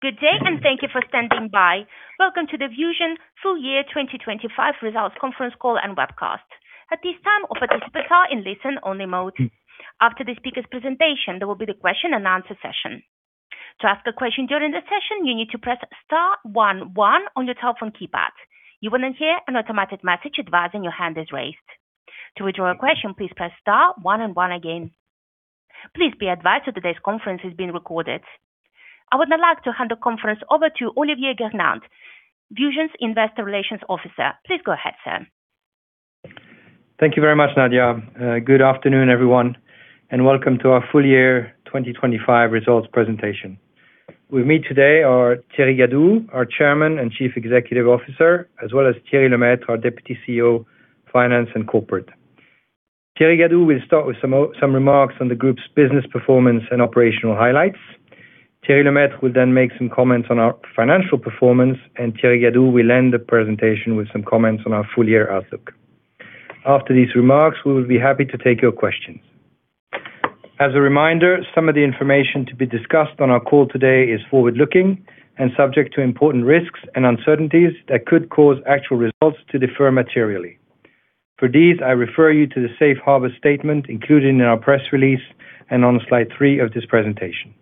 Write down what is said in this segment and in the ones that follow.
Good day. Thank you for standing by. Welcome to the VusionGroup full year 2025 results conference call and webcast. At this time, all participants are in listen-only mode. After the speaker's presentation, there will be the Q&A session. To ask a question during the session, you need to press star one one on your telephone keypad. You will hear an automatic message advising your hand is raised. To withdraw your question, please press star one and one again. Please be advised that today's conference is being recorded. I would now like to hand the conference over to Olivier Gernandt, VusionGroup's Investor Relations Officer. Please go ahead, sir. Thank you very much, Nadia. Good afternoon, everyone, and welcome to our full year 2025 results presentation. With me today are Thierry Gadou, our Chairman and Chief Executive Officer, as well as Thierry Lemaitre, our Deputy CEO, Finance and Corporate. Thierry Gadou will start with some remarks on the group's business performance and operational highlights. Thierry Lemaitre will then make some comments on our financial performance, and Thierry Gadou will end the presentation with some comments on our full year outlook. After these remarks, we will be happy to take your questions. As a reminder, some of the information to be discussed on our call today is forward-looking and subject to important risks and uncertainties that could cause actual results to defer materially. For these, I refer you to the safe harbor statement included in our press release and on slide 3 of this presentation.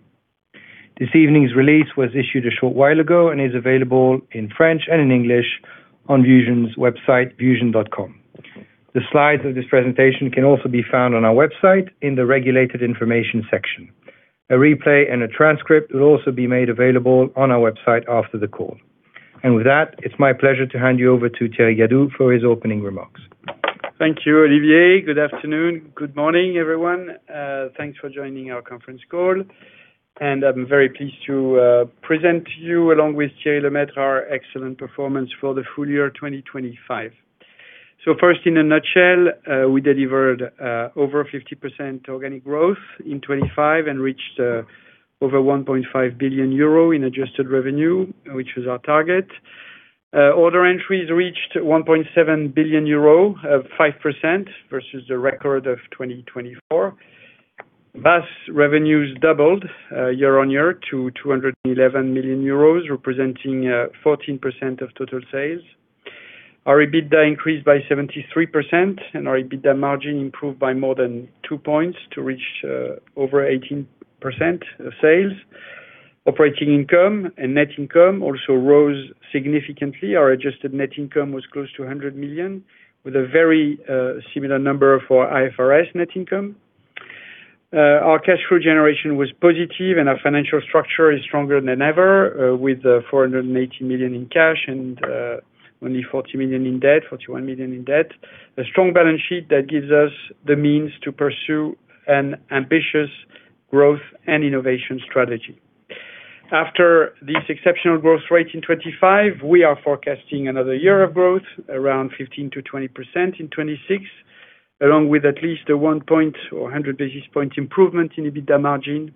This evening's release was issued a short while ago and is available in French and in English on VusionGroup's website, vusion.com. The slides of this presentation can also be found on our website in the Regulated Information section. A replay and a transcript will also be made available on our website after the call. With that, it's my pleasure to hand you over to Thierry Gadou for his opening remarks. Thank you, Olivier. Good afternoon, good morning, everyone. Thanks for joining our conference call. I'm very pleased to present to you, along with Thierry Lemaitre, our excellent performance for the full year 2025. First, in a nutshell, we delivered over 50% organic growth in 2025 and reached over 1.5 billion euro in adjusted revenue, which was our target. Order entries reached 1.7 billion euro, of 5% versus the record of 2024. VAS revenues doubled year-on-year to 211 million euros, representing 14% of total sales. Our EBITDA increased by 73%. Our EBITDA margin improved by more than 2 points to reach over 18% of sales. Operating income and net income also rose significantly. Our adjusted net income was close to 100 million, with a very similar number for IFRS net income. Our cash flow generation was positive, and our financial structure is stronger than ever, with 480 million in cash and only 40 million in debt, 41 million in debt. A strong balance sheet that gives us the means to pursue an ambitious growth and innovation strategy. After this exceptional growth rate in 2025, we are forecasting another year of growth, around 15%-20% in 2026, along with at least a 100 basis point improvement in EBITDA margin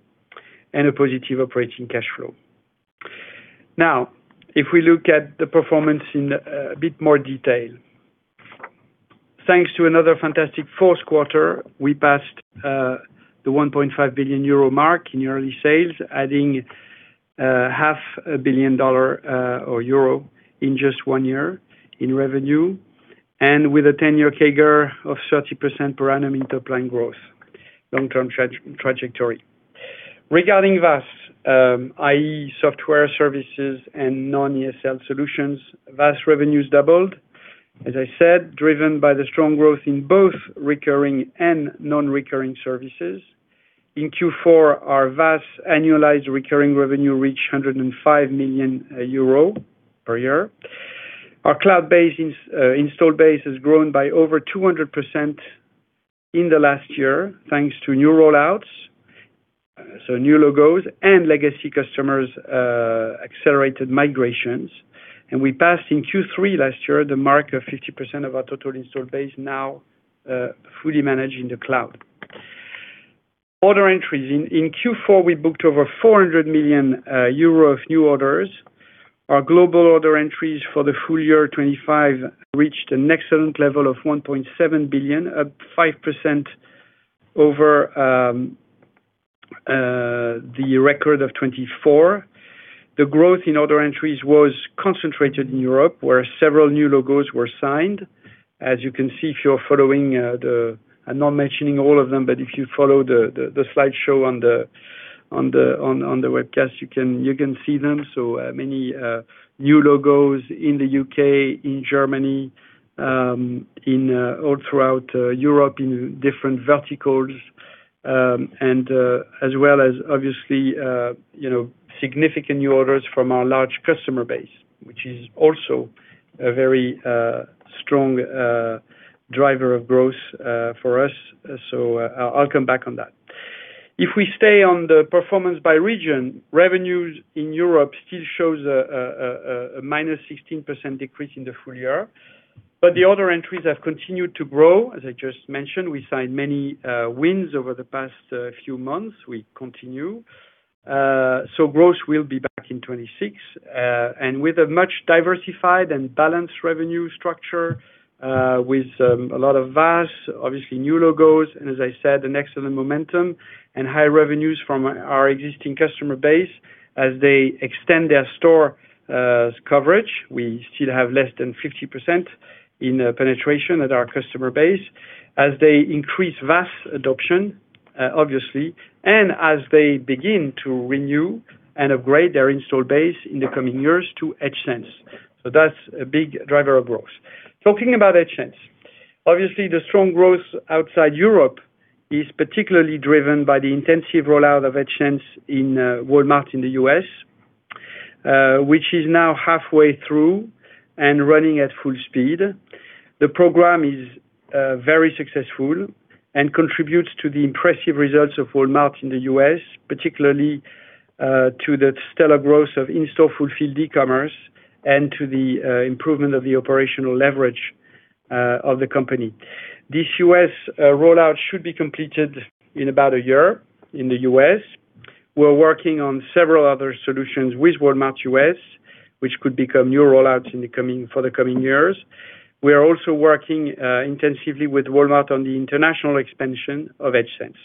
and a positive operating cash flow. If we look at the performance in a bit more detail. Thanks to another fantastic Q4, we passed the 1.5 billion euro mark in yearly sales, adding half a billion dollar or euro in just one year in revenue, and with a 10-year CAGR of 30% per annum in top-line growth, long-term trajectory. Regarding VAS, IE software services and non-ESL solutions, VAS revenues doubled, as I said, driven by the strong growth in both recurring and non-recurring services. In Q4, our VAS annualized recurring revenue reached 105 million euro per year. Our cloud base install base has grown by over 200% in the last year, thanks to new rollouts, so new logos and legacy customers', accelerated migrations. We passed in Q3 last year, the mark of 50% of our total installed base now, fully managed in the cloud. Order entries. In Q4, we booked over 400 million euro of new orders. Our global order entries for the full year 2025 reached an excellent level of 1.7 billion, up 5% over the record of 2024. The growth in order entries was concentrated in Europe, where several new logos were signed. If you're following, I'm not mentioning all of them, but if you follow the slideshow on the webcast, you can see them. Many new logos in the U.K., in Germany, in all throughout Europe in different verticals, and as well as obviously, you know, significant new orders from our large customer base, which is also a very strong driver of growth for us. I'll come back on that. If we stay on the performance by region, revenues in Europe still shows a minus 16% decrease in the full year. The order entries have continued to grow. As I just mentioned, we signed many wins over the past few months. We continue. Growth will be back in 2026 and with a much diversified and balanced revenue structure, with a lot of VAS, obviously new logos, and as I said, an excellent momentum and high revenues from our existing customer base as they extend their store coverage. We still have less than 50% in penetration at our customer base as they increase VAS adoption, obviously, and as they begin to renew and upgrade their install base in the coming years to Edge Sense. That's a big driver of growth. Talking about EdgeSense, obviously, the strong growth outside Europe is particularly driven by the intensive rollout of EdgeSense in Walmart in the U.S., which is now halfway through and running at full speed. The program is very successful and contributes to the impressive results of Walmart in the U.S., particularly to the stellar growth of in-store fulfilled e-commerce and to the improvement of the operational leverage of the company. This U.S. rollout should be completed in about a year in the U.S. We're working on several other solutions with Walmart U.S., which could become new rollouts for the coming years. We are also working intensively with Walmart on the international expansion of EdgeSense.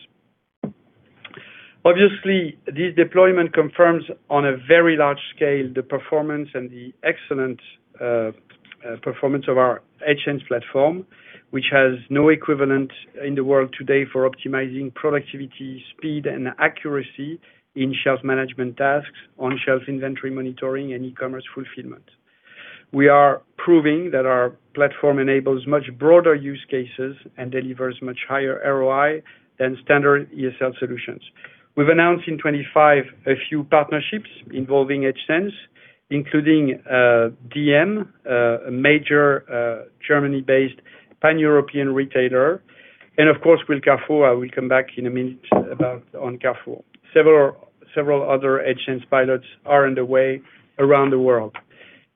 Obviously, this deployment confirms, on a very large scale, the performance and our excellent performance of our EdgeSense platform, which has no equivalent in the world today for optimizing productivity, speed, and accuracy in shelf management tasks, on-shelf inventory monitoring, and e-commerce fulfillment. We are proving that our platform enables much broader use cases and delivers much higher ROI than standard ESL solutions. We've announced in 25 a few partnerships involving EdgeSense, including DM, a major Germany-based Pan-European retailer, and of course, with Carrefour. I will come back in a minute on Carrefour. Several other EdgeSense pilots are on the way around the world.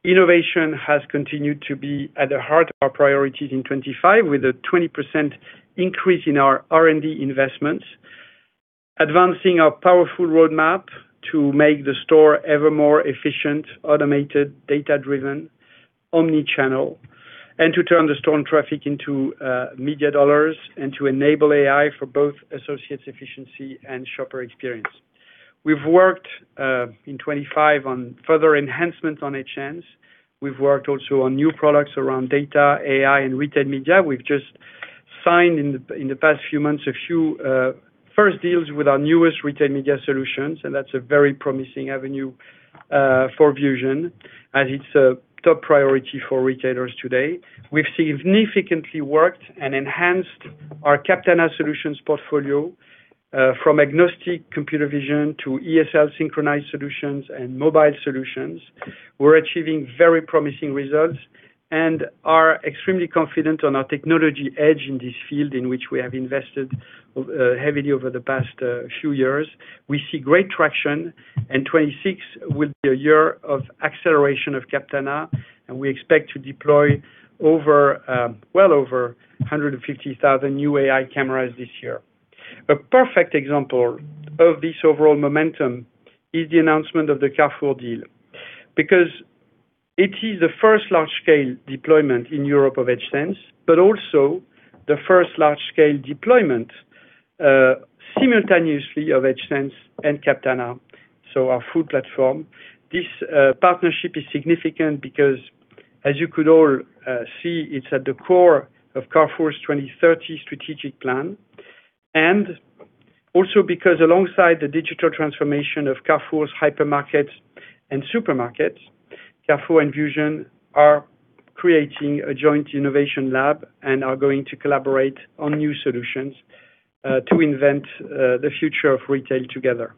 Innovation has continued to be at the heart of our priorities in 2025, with a 20% increase in our R&D investments, advancing our powerful roadmap to make the store ever more efficient, automated, data-driven, omni-channel, and to turn the store and traffic into media dollars and to enable AI for both associates' efficiency and shopper experience. We've worked in 2025 on further enhancements on EdgeSense. We've worked also on new products around data, AI, and retail media. We've just signed in the past few months, a few first deals with our newest retail media solutions, that's a very promising avenue for Vision, as it's a top priority for retailers today. We've significantly worked and enhanced our Captana solutions portfolio, from agnostic computer vision to ESL synchronized solutions and mobile solutions. We're achieving very promising results and are extremely confident on our technology edge in this field, in which we have invested heavily over the past few years. We see great traction. 2026 will be a year of acceleration of Captana. We expect to deploy over well over 150,000 new AI cameras this year. A perfect example of this overall momentum is the announcement of the Carrefour deal, because it is the first large-scale deployment in Europe of EdgeSense. Also the first large-scale deployment simultaneously of EdgeSense and Captana, our full platform. This partnership is significant because, as you could all see, it's at the core of Carrefour's 2030 strategic plan, and also because alongside the digital transformation of Carrefour's hypermarket and supermarket, Carrefour and VusionGroup are creating a joint innovation lab and are going to collaborate on new solutions to invent the future of retail together.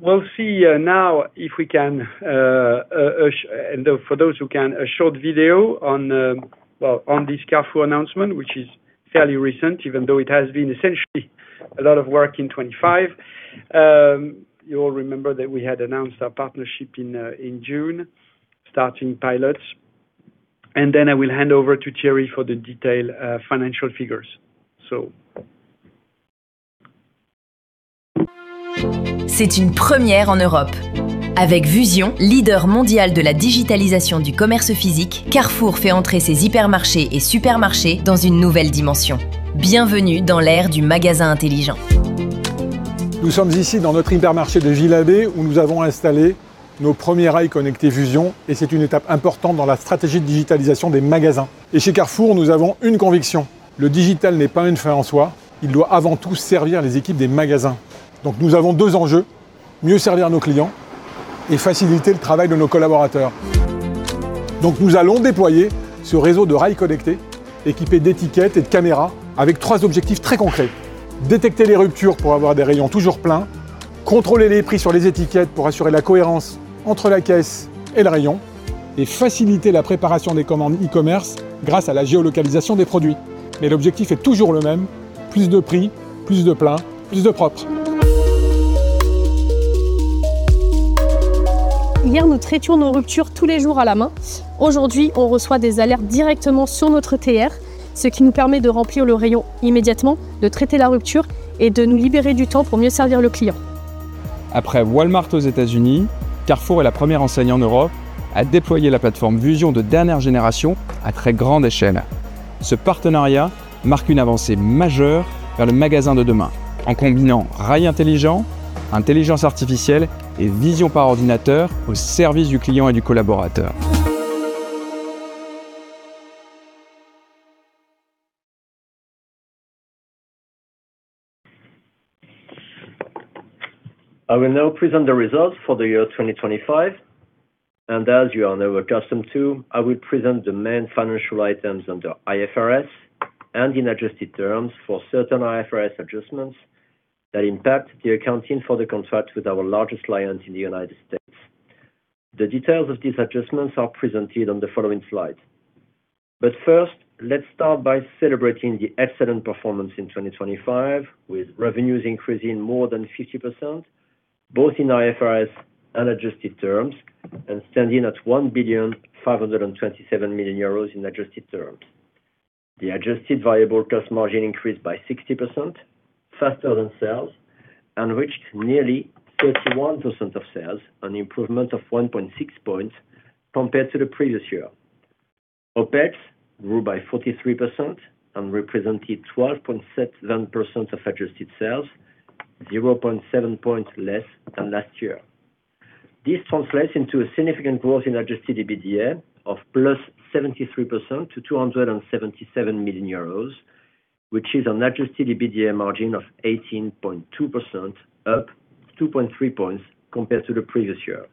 We'll see now if we can, and for those who can, a short video on, well, on this Carrefour announcement, which is fairly recent, even though it has been essentially a lot of work in 25. You all remember that we had announced our partnership in June, starting pilots, and then I will hand over to Thierry for the detailed financial figures. C'est une première en Europe. Avec VusionGroup, leader mondial de la digitalisation du commerce physique, Carrefour fait entrer ses hypermarchés et supermarchés dans une nouvelle dimension. Bienvenue dans l'ère du magasin intelligent. Nous sommes ici dans notre hypermarché de Villabé, où nous avons installé nos premiers rails connectés VusionGroup, c'est une étape importante dans la stratégie de digitalisation des magasins. Chez Carrefour, nous avons une conviction: le digital n'est pas une fin en soi, il doit avant tout servir les équipes des magasins. Nous avons deux enjeux: mieux servir nos clients et faciliter le travail de nos collaborateurs. Nous allons déployer ce réseau de rails connectés, équipés d'étiquettes et de caméras, avec trois objectifs très concrets: détecter les ruptures pour avoir des rayons toujours pleins, contrôler les prix sur les étiquettes pour assurer la cohérence entre la caisse et le rayon, et faciliter la préparation des commandes e-commerce grâce à la géolocalisation des produits. L'objectif est toujours le même: plus de prix, plus de plans, plus de propre. Yesterday, we treated our shortages every day by hand. Today, we receive alerts directly on our TR, which allows us to stock the shelf immediately, handle the shortage, and free up time to better serve the customer. After Walmart in the United States, Carrefour is the first retailer in Europe to deploy a next-generation vision platform on a very large scale. This partnership marks a major step towards the store of tomorrow, combining smart shelves, artificial intelligence, and computer vision for the benefit of customers and employees. I will now present the results for the year 2025, and as you are now accustomed to, I will present the main financial items under IFRS and in adjusted terms for certain IFRS adjustments that impact the accounting for the contract with our largest client in the United States. The details of these adjustments are presented on the following slide. First, let's start by celebrating the excellent performance in 2025, with revenues increasing more than 50%, both in IFRS and adjusted terms, and standing at 1,527 million euros in adjusted terms. The adjusted variable cost margin increased by 60% faster than sales and reached nearly 31% of sales, an improvement of 1.6 points compared to the previous year. OPEX grew by 43% and represented 12.7% of adjusted sales, 0.7 points less than last year. This translates into a significant growth in adjusted EBITDA of +73% to 277 million euros, which is an adjusted EBITDA margin of 18.2%, up 2.3 points compared to the previous year.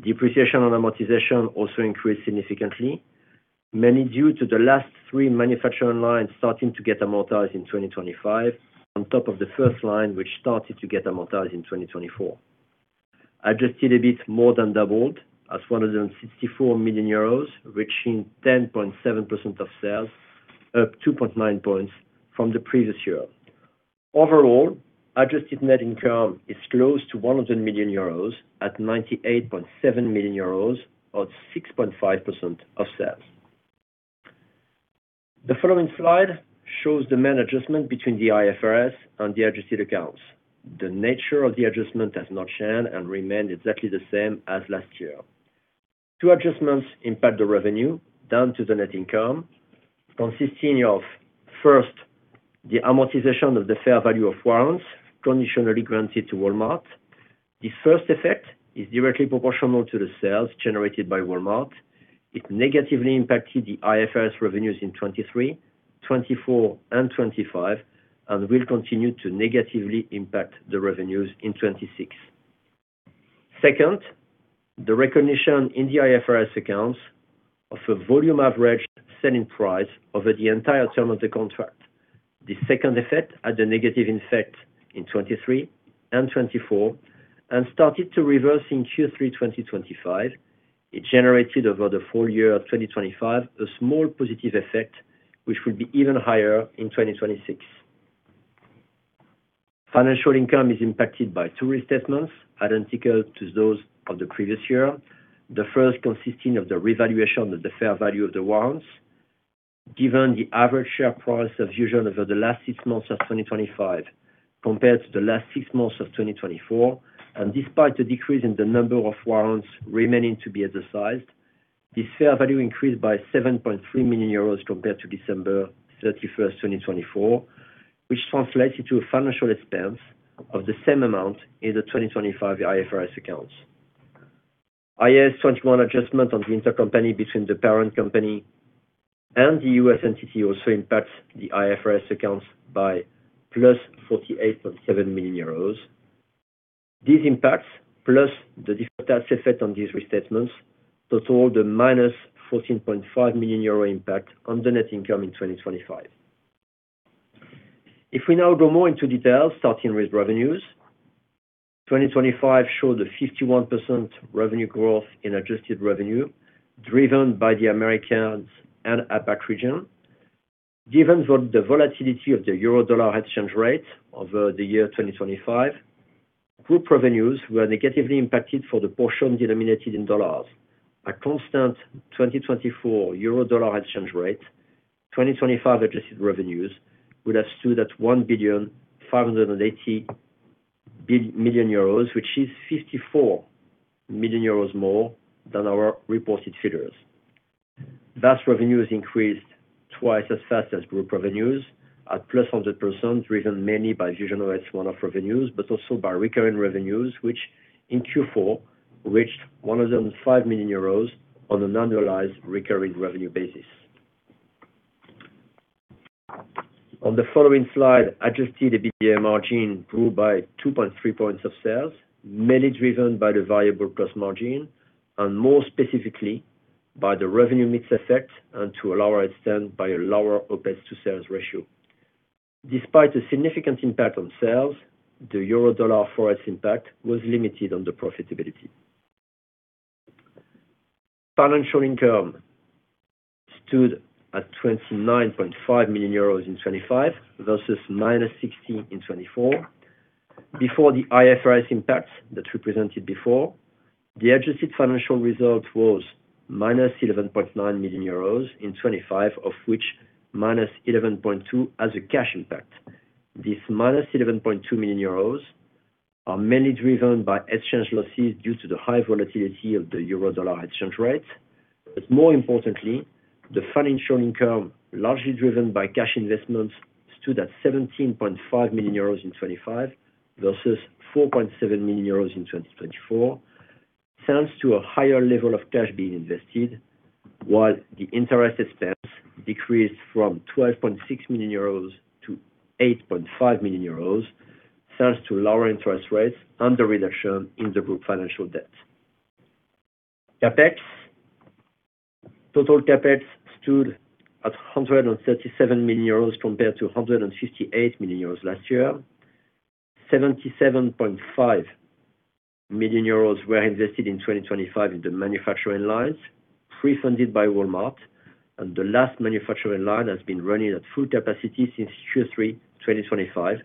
Depreciation and amortization also increased significantly, mainly due to the last 3 manufacturing lines starting to get amortized in 2025, on top of the first line, which started to get amortized in 2024. Adjusted EBIT more than doubled, as 164 million euros, reaching 10.7% of sales, up 2.9 points from the previous year. Overall, adjusted net income is close to 100 million euros at 98.7 million euros, or 6.5% of sales. The following slide shows the main adjustment between the IFRS and the adjusted accounts. The nature of the adjustment has not changed and remained exactly the same as last year. 2 adjustments impact the revenue down to the net income, consisting of, first, the amortization of the fair value of warrants conditionally granted to Walmart. The first effect is directly proportional to the sales generated by Walmart. It negatively impacted the IFRS revenues in 2023, 2024 and 2025, and will continue to negatively impact the revenues in 2026. Second, the recognition in the IFRS accounts of a volume average selling price over the entire term of the contract. The second effect had a negative effect in 2023 and 2024, and started to reverse in Q3 2025. It generated, over the full year of 2025, a small positive effect, which will be even higher in 2026. Financial income is impacted by 2 restatements, identical to those of the previous year, the first consisting of the revaluation of the fair value of the warrants. Given the average share price of VusionGroup over the last 6 months of 2025 compared to the last 6 months of 2024, and despite the decrease in the number of warrants remaining to be exercised, this fair value increased by 7.3 million euros compared to December 31st, 2024, which translates into a financial expense of the same amount in the 2025 IFRS accounts. IAS 21 adjustment on the intercompany between the parent company and the U.S. entity also impacts the IFRS accounts by +48.7 million euros. These impacts, plus the different tax effect on these restatements, total the -14.5 million euro impact on the net income in 2025. If we now go more into details, starting with revenues. 2025 showed a 51% revenue growth in adjusted revenue, driven by the Americans and APAC region. Given the volatility of the euro-dollar exchange rate over the year 2025, group revenues were negatively impacted for the portion denominated in dollars. A constant 2024 euro-dollar exchange rate, 2025 adjusted revenues would have stood at 1,580 million euros, which is 54 million euros more than our reported figures. VAS revenues increased twice as fast as group revenues at +100%, driven mainly by VusionGroup One-off revenues, but also by recurring revenues, which in Q4 reached 105 million euros on an annualized recurring revenue basis. On the following slide, adjusted EBITDA margin grew by 2.3 points of sales, mainly driven by the variable cost margin and more specifically by the revenue mix effect, and to a lower extent, by a lower OPEX to sales ratio. Despite a significant impact on sales, the euro-dollar forest impact was limited on the profitability. Financial income stood at 29.5 million euros in 2025 versus minus 60 million in 2024, before the IFRS impact that we presented before. The adjusted financial result was minus 11.9 million euros in 2025, of which minus 11.2 million has a cash impact. This minus 11.2 million euros are mainly driven by exchange losses due to the high volatility of the Euro-Dollar exchange rate. More importantly, the financial income, largely driven by cash investments, stood at 17.5 million euros in 2025 versus 4.7 million euros in 2024, thanks to a higher level of cash being invested, while the interest expense decreased from 12.6 million euros to 8.5 million euros, thanks to lower interest rates and the reduction in the group financial debt. CapEx. Total CapEx stood at 137 million euros compared to 158 million euros last year. 77.5 million euros were invested in 2025 in the manufacturing lines, pre-funded by Walmart, and the last manufacturing line has been running at full capacity since Q3 2025.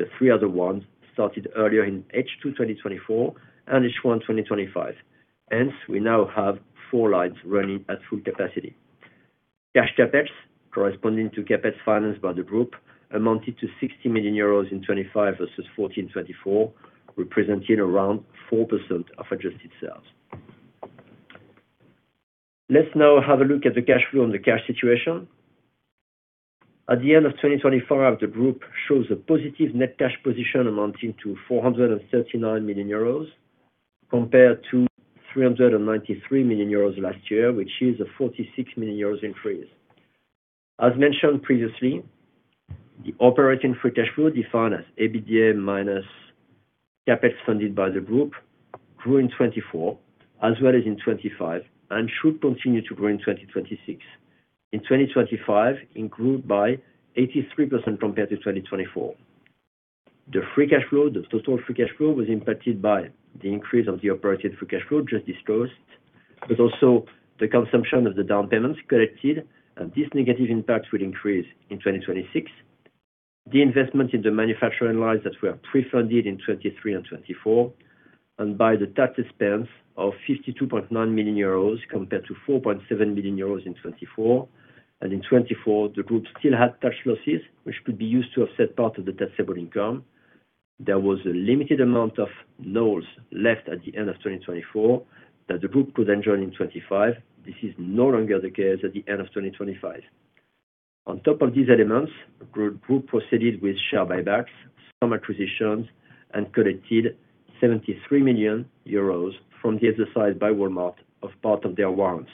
The 3 other ones started earlier in H2 2024 and H1 2025. We now have 4 lines running at full capacity. Cash CapEx, corresponding to CapEx financed by the group, amounted to 60 million euros in 2025 versus 1424, representing around 4% of adjusted sales. Let's now have a look at the cash flow and the cash situation. At the end of 2024, the group shows a positive net cash position amounting to 439 million euros compared to 393 million euros last year, which is a 46 million euros increase. As mentioned previously, the operating free cash flow, defined as EBITDA minus CapEx funded by the group, grew in 2024 as well as in 2025 and should continue to grow in 2026. In 2025, it grew by 83% compared to 2024. The free cash flow, the total free cash flow, was impacted by the increase of the operating free cash flow just disclosed, but also the consumption of the down payments collected. This negative impact will increase in 2026. The investment in the manufacturing lines that were pre-funded in 2023 and 2024, and by the tax expense of 52.9 million euros compared to 4.7 million euros in 2024. In 2024, the group still had tax losses, which could be used to offset part of the taxable income. There was a limited amount of NOLs left at the end of 2024 that the group could enjoy in 2025. This is no longer the case at the end of 2025. On top of these elements, the group proceeded with share buybacks, some acquisitions, and collected 73 million euros from the exercise by Walmart of part of their warrants.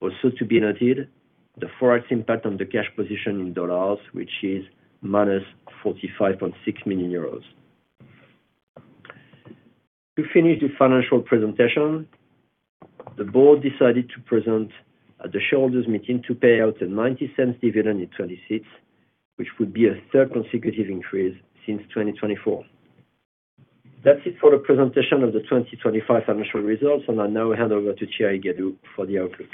Also, to be noted, the Forex impact on the cash position in dollars, which is -45.6 million euros. To finish the financial presentation, the board decided to present at the shareholders meeting to pay out a 0.90 dividend in 2026, which would be a third consecutive increase since 2024. That's it for the presentation of the 2025 financial results. I now hand over to Thierry Gadou for the outlook.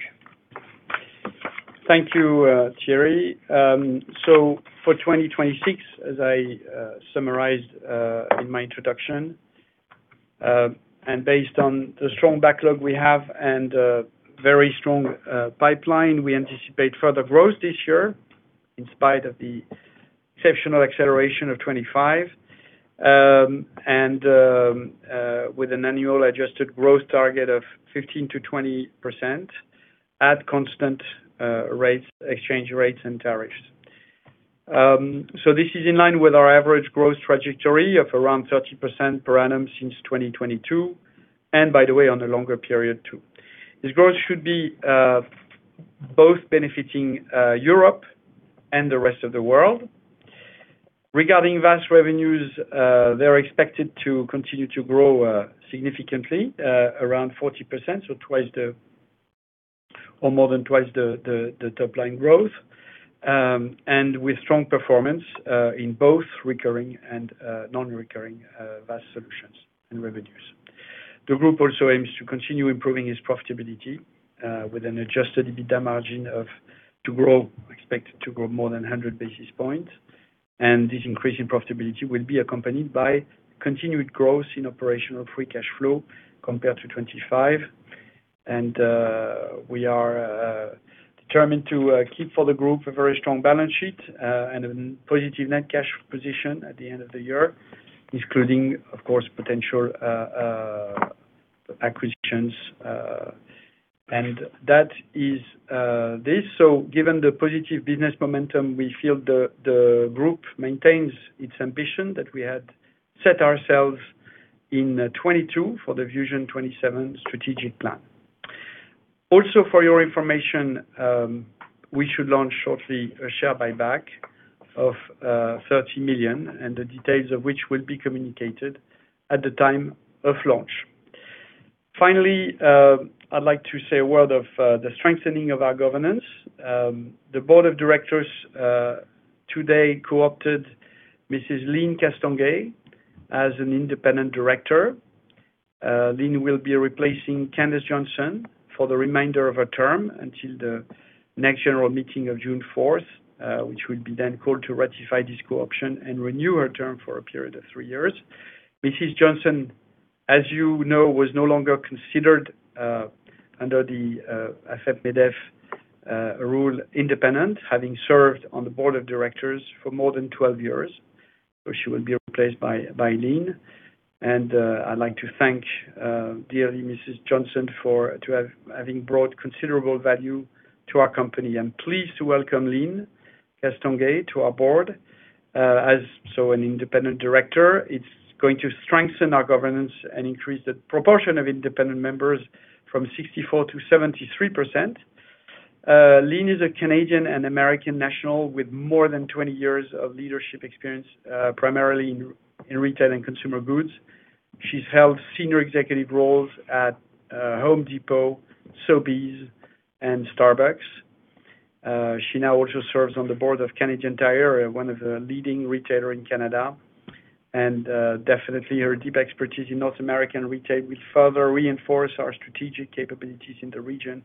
Thank you, Thierry. For 2026, as I summarized in my introduction, based on the strong backlog we have and very strong pipeline, we anticipate further growth this year, in spite of the exceptional acceleration of 25. With an annual adjusted growth target of 15%-20% at constant rates, exchange rates and tariffs. This is in line with our average growth trajectory of around 30% per annum since 2022, and by the way, on a longer period, too. This growth should be both benefiting Europe and the rest of the world. Regarding VAS revenues, they're expected to continue to grow significantly, around 40%, more than twice the top line growth. With strong performance in both recurring and non-recurring VAS solutions and revenues. The group also aims to continue improving its profitability with an adjusted EBITDA margin of to grow, expected to grow more than 100 basis points. This increase in profitability will be accompanied by continued growth in operational free cash flow compared to 2025. We are determined to keep for the group a very strong balance sheet and a positive net cash position at the end of the year, including, of course, potential acquisitions. That is this. Given the positive business momentum, we feel the group maintains its ambition that we had set ourselves in 2022 for the Vision 2027 strategic plan. Also, for your information, we should launch shortly a share buyback of 30 million. The details of which will be communicated at the time of launch. Finally, I'd like to say a word of the strengthening of our governance. The board of directors today co-opted Mrs. Lyne Castonguay as an independent director. Lynn will be replacing Candace Johnson for the remainder of her term, until the next general meeting of June fourth, which will be then called to ratify this co-option and renew her term for a period of 3 years. Mrs. Johnson, as you know, was no longer considered under the AFEP-MEDEF rule, independent, having served on the board of directors for more than 12 years. She will be replaced by Lynn. I'd like to thank dearly Mrs. Johnson having brought considerable value to our company. I'm pleased to welcome Lyne Castonguay to our board as an independent director. It's going to strengthen our governance and increase the proportion of independent members from 64% to 73%. Lyne is a Canadian and American national, with more than 20 years of leadership experience, primarily in retail and consumer goods. She's held senior executive roles at Home Depot, Sobeys, and Starbucks. She now also serves on the board of Canadian Tire, one of the leading retailer in Canada. Definitely her deep expertise in North American retail will further reinforce our strategic capabilities in the region,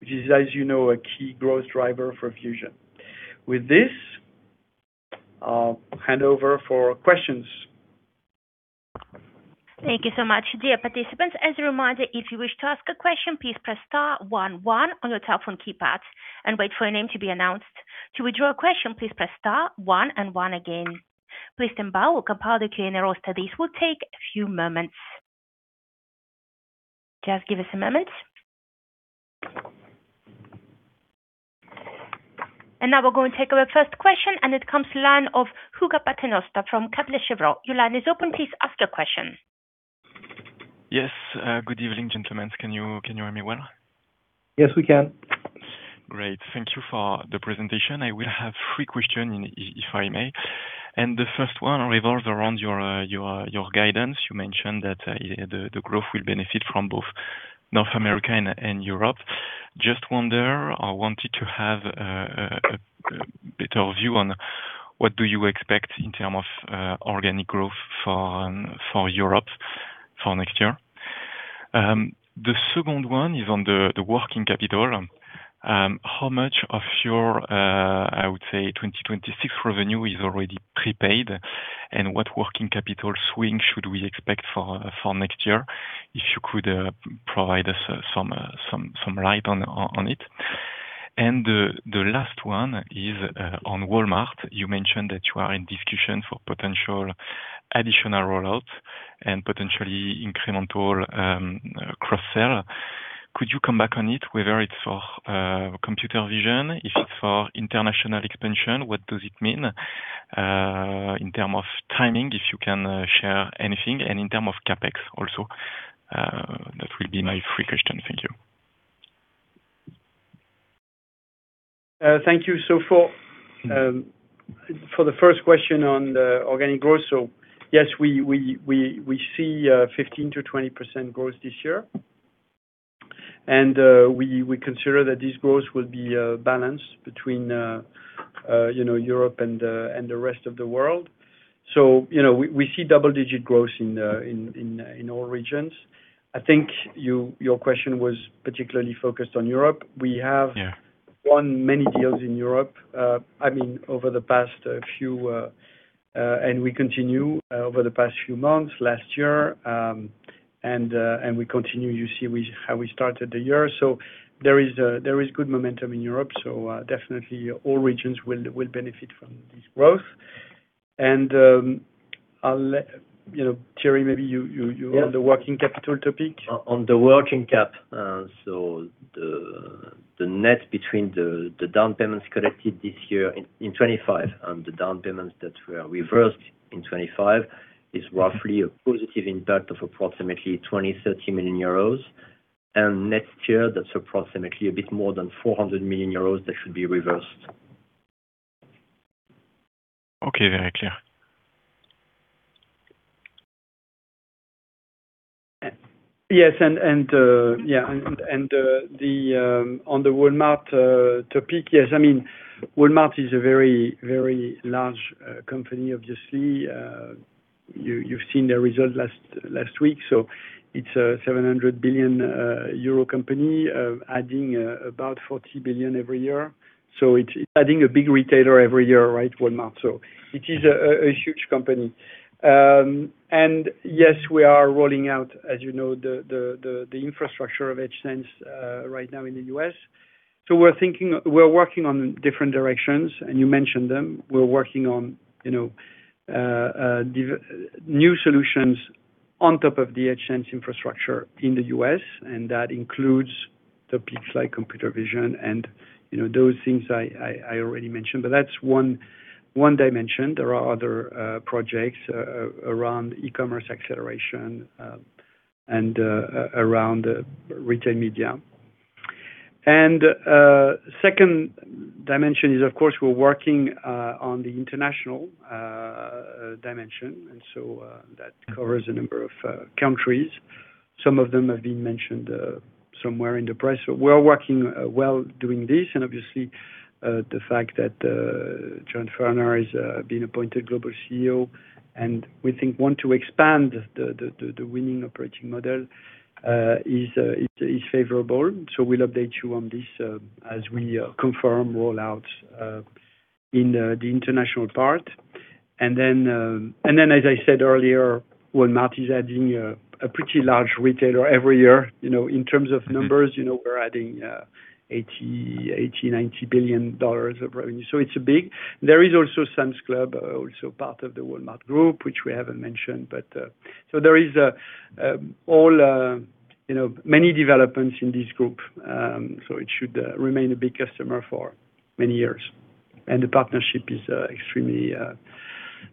which is, as you know, a key growth driver for VusionGroup. With this, I'll hand over for questions. Thank you so much. Dear participants, as a reminder, if you wish to ask a question, please press star one one on your telephone keypad and wait for your name to be announced. To withdraw a question, please press star one and one again. Please stand by, we'll compile the Q&A roster. This will take a few moments. Just give us a moment. Now we're going to take our first question, and it comes the line of Hugo Paternoster from Kepler Cheuvreux. Your line is open, please ask your question. Yes, good evening, gentlemen. Can you hear me well? Yes, we can. Great. Thank you for the presentation. I will have 3 question if I may. The first one revolves around your guidance. You mentioned that the growth will benefit from both North America and Europe. Just wonder or wanted to have a better view on what do you expect in term of organic growth for Europe for next year? The second one is on the working capital. How much of your, I would say, 2026 revenue is already prepaid, and what working capital swing should we expect for next year? If you could provide us some light on it. The last one is on Walmart. You mentioned that you are in discussion for potential additional rollout and potentially incremental, cross sell. Could you come back on it, whether it's for computer vision, if it's for international expansion, what does it mean, in term of timing, if you can share anything, and in term of CapEx also? That will be my 3 question. Thank you. Thank you. For the first question on the organic growth, we see 15%-20% growth this year. We consider that this growth will be balanced between, you know, Europe and the rest of the world. We see double-digit growth in all regions. I think your question was particularly focused on Europe. Yeah. We have won many deals in Europe, I mean, over the past few months, last year, and we continue, you see how we started the year. There is good momentum in Europe, definitely all regions will benefit from this growth. I'll let you know, Thierry, maybe you, you. Yeah On the working capital topic. On the working cap, the net between the down payments collected this year in 2025, and the down payments that were reversed in 2025, is roughly a positive impact of approximately 20-30 million euros. Next year, that's approximately a bit more than 400 million euros that should be reversed. Okay. Very clear. yes, I mean, Walmart is a very, very large company. You've seen their results last week. It's a 700 billion euro company, adding about 40 billion every year. It's adding a big retailer every year, right? Walmart. It is a huge company. yes, we are rolling out, as you know, the infrastructure of EdgeSense right now in the U.S. We're working on different directions, and you mentioned them. We're working on, you know, new solutions on top of the EdgeSense infrastructure in the U.S., and that includes topics like computer vision and, you know, those things I already mentioned. That's one dimension. There are other projects around e-commerce acceleration and around the retail media. Second dimension is, of course, we're working on the international dimension, that covers a number of countries. Some of them have been mentioned somewhere in the press. We're working well during this, and obviously, the fact that John Furner has been appointed global CEO, and we think want to expand the winning operating model, is favorable. We'll update you on this as we confirm roll out in the international part. As I said earlier, Walmart is adding a pretty large retailer every year. You know, in terms of numbers, you know, we're adding $90 billion of revenue. It's big. There is also Sam's Club, also part of the Walmart group, which we haven't mentioned, but there is all, you know, many developments in this group. It should remain a big customer for many years, and the partnership is extremely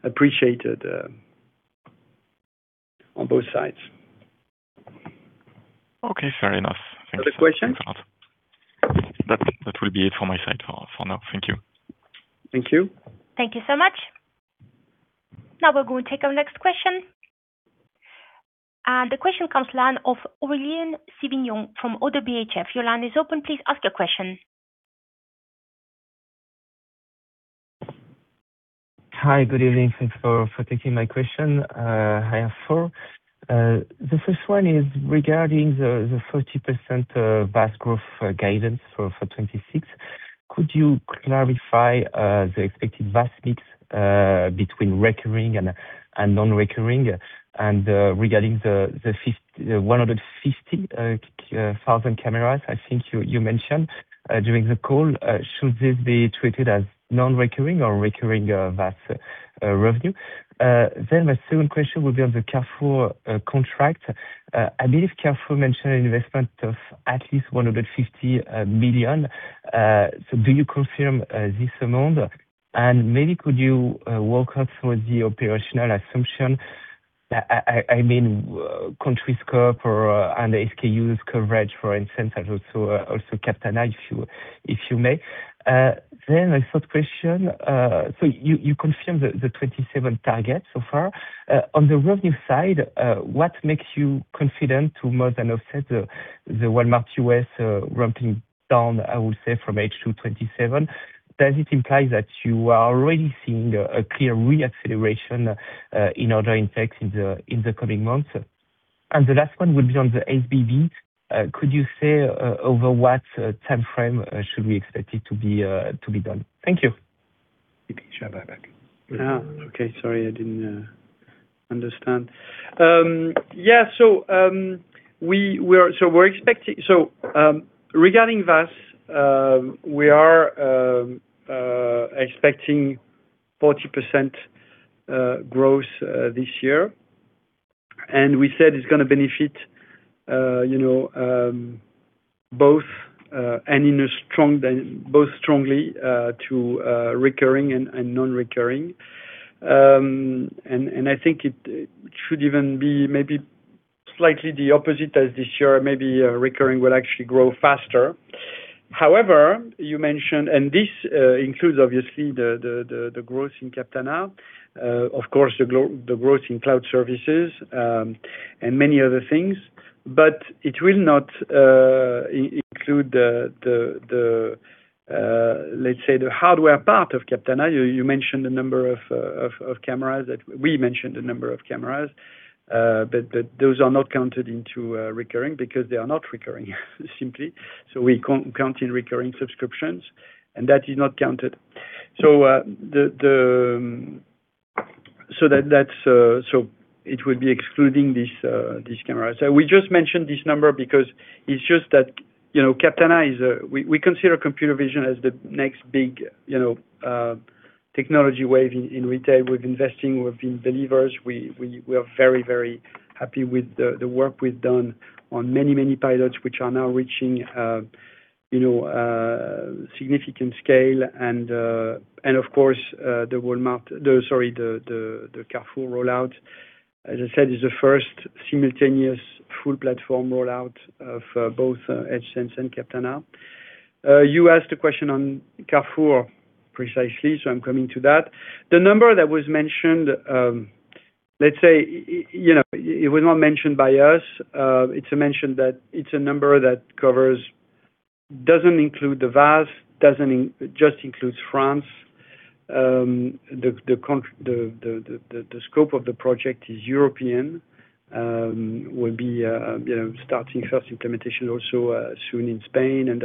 appreciated on both sides. Okay, fair enough. Other questions? Thanks a lot. That will be it for my side for now. Thank you. Thank you. Thank you so much. Now we're going to take our next question. The question comes line of Aurélien Sivignon from ODDO BHF. Your line is open. Please ask your question. Hi, good evening. Thanks for taking my question, I have 4. The first one is regarding the 30% VAS growth guidance for 2026. Could you clarify the expected VAS mix between recurring and non-recurring? Regarding the 150,000 cameras, I think you mentioned during the call, should this be treated as non-recurring or recurring VAS revenue? My second question will be on the Carrefour contract. I believe Carrefour mentioned an investment of at least 150 million. Do you confirm this amount? Maybe could you walk us through the operational assumption? I mean, country scope or and SKUs coverage, for instance, and also Captana, if you may. My third question, so you confirmed the 27 target so far. On the revenue side, what makes you confident to more than offset the Walmart U.S. ramping down, I would say, from H to 27? Does it imply that you are already seeing a clear re-acceleration in order impacts in the coming months? The last one will be on the FBB. Could you say over what time frame should we expect it to be done? Thank you. You can share that back. Yeah. Okay. Sorry, I didn't understand. Regarding VAS, we are expecting 40% growth this year. We said it's going to benefit, you know, both strongly to recurring and non-recurring. I think it should even be maybe slightly the opposite, as this year, maybe recurring will actually grow faster. You mentioned, and this includes obviously the growth in Captana, of course, the growth in cloud services, and many other things, but it will not include the, let's say, the hardware part of Captana. You mentioned the number of cameras that... We mentioned the number of cameras, but those are not counted into recurring, because they are not recurring, simply. We count in recurring subscriptions, and that is not counted. The, so that's, so it would be excluding this camera. We just mentioned this number because it's just that, you know, Captana is, we consider computer vision as the next big, you know, technology wave in retail. We're investing, we're being believers. We are very, very happy with the work we've done on many pilots, which are now reaching, you know, significant scale. Of course, the Walmart, the... Sorry, the Carrefour rollout, as I said, is the first simultaneous full platform rollout of both EdgeSense and Captana. You asked a question on Carrefour, precisely. I'm coming to that. The number that was mentioned, let's say, you know, it was not mentioned by us. It's mentioned that it's a number that covers, doesn't include the VAS, doesn't just includes France. The scope of the project is European, will be, you know, starting first implementation also, soon in Spain, and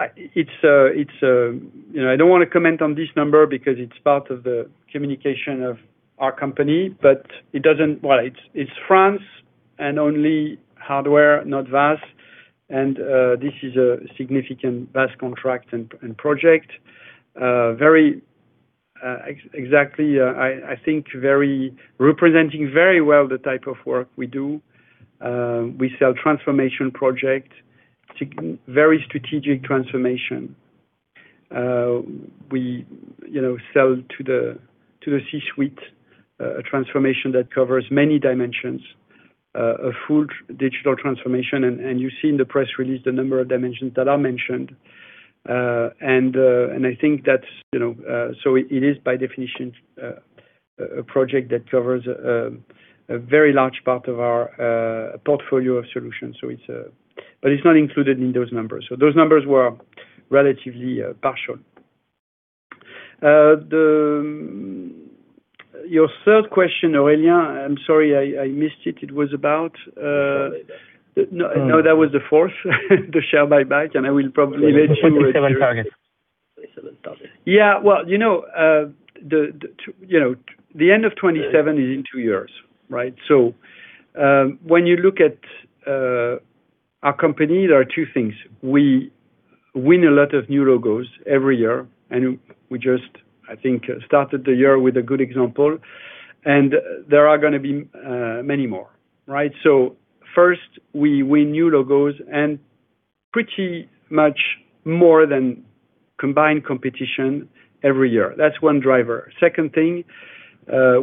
I, it's a, you know, I don't want to comment on this number because it's part of the communication of our company. It doesn't. Well, it's France and only hardware, not VAS. This is a significant VAS contract and project. Very, exactly, I think very, representing very well the type of work we do. We sell transformation project, to very strategic transformation. We, you know, sell to the C-suite, a transformation that covers many dimensions, a full digital transformation. You see in the press release the number of dimensions that are mentioned. I think that's, you know, so it is by definition a project that covers a very large part of our portfolio of solutions. It's not included in those numbers. Those numbers were relatively partial. Your third question, Aurelia, I'm sorry I missed it. It was about.... No, no, that was the fourth. The share buyback, and I will probably mention- The 27 target. 27 target. Yeah. Well, you know, the, you know, the end of 2027 is in 2 years, right? When you look at our company, there are 2 things: we win a lot of new logos every year, and we just, I think, started the year with a good example, and there are gonna be many more, right? First, we win new logos, and pretty much more than combined competition every year. That's one driver. Second thing,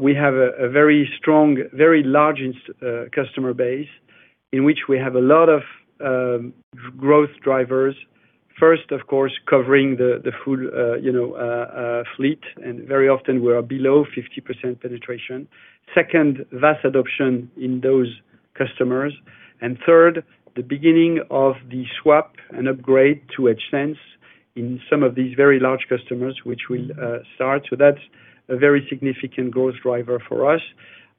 we have a very strong, very large customer base, in which we have a lot of growth drivers. First, of course, covering the full, you know, fleet, and very often we are below 50% penetration. Second, vast adoption in those customers. Third, the beginning of the swap and upgrade to EdgeSense in some of these very large customers, which will start. That's a very significant growth driver for us,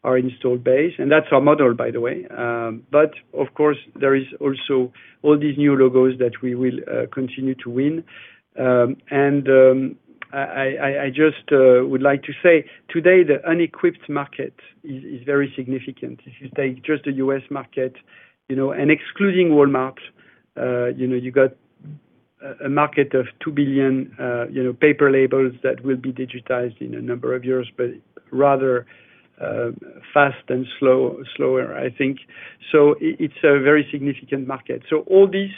our installed base, and that's our model, by the way. Of course, there is also all these new logos that we will continue to win. I just would like to say, today, the unequipped market is very significant. If you take just the U.S. market, you know, and excluding Walmart, you know, you got a market of 2 billion, you know, paper labels that will be digitized in a number of years, but rather fast than slower, I think. It's a very significant market. All this,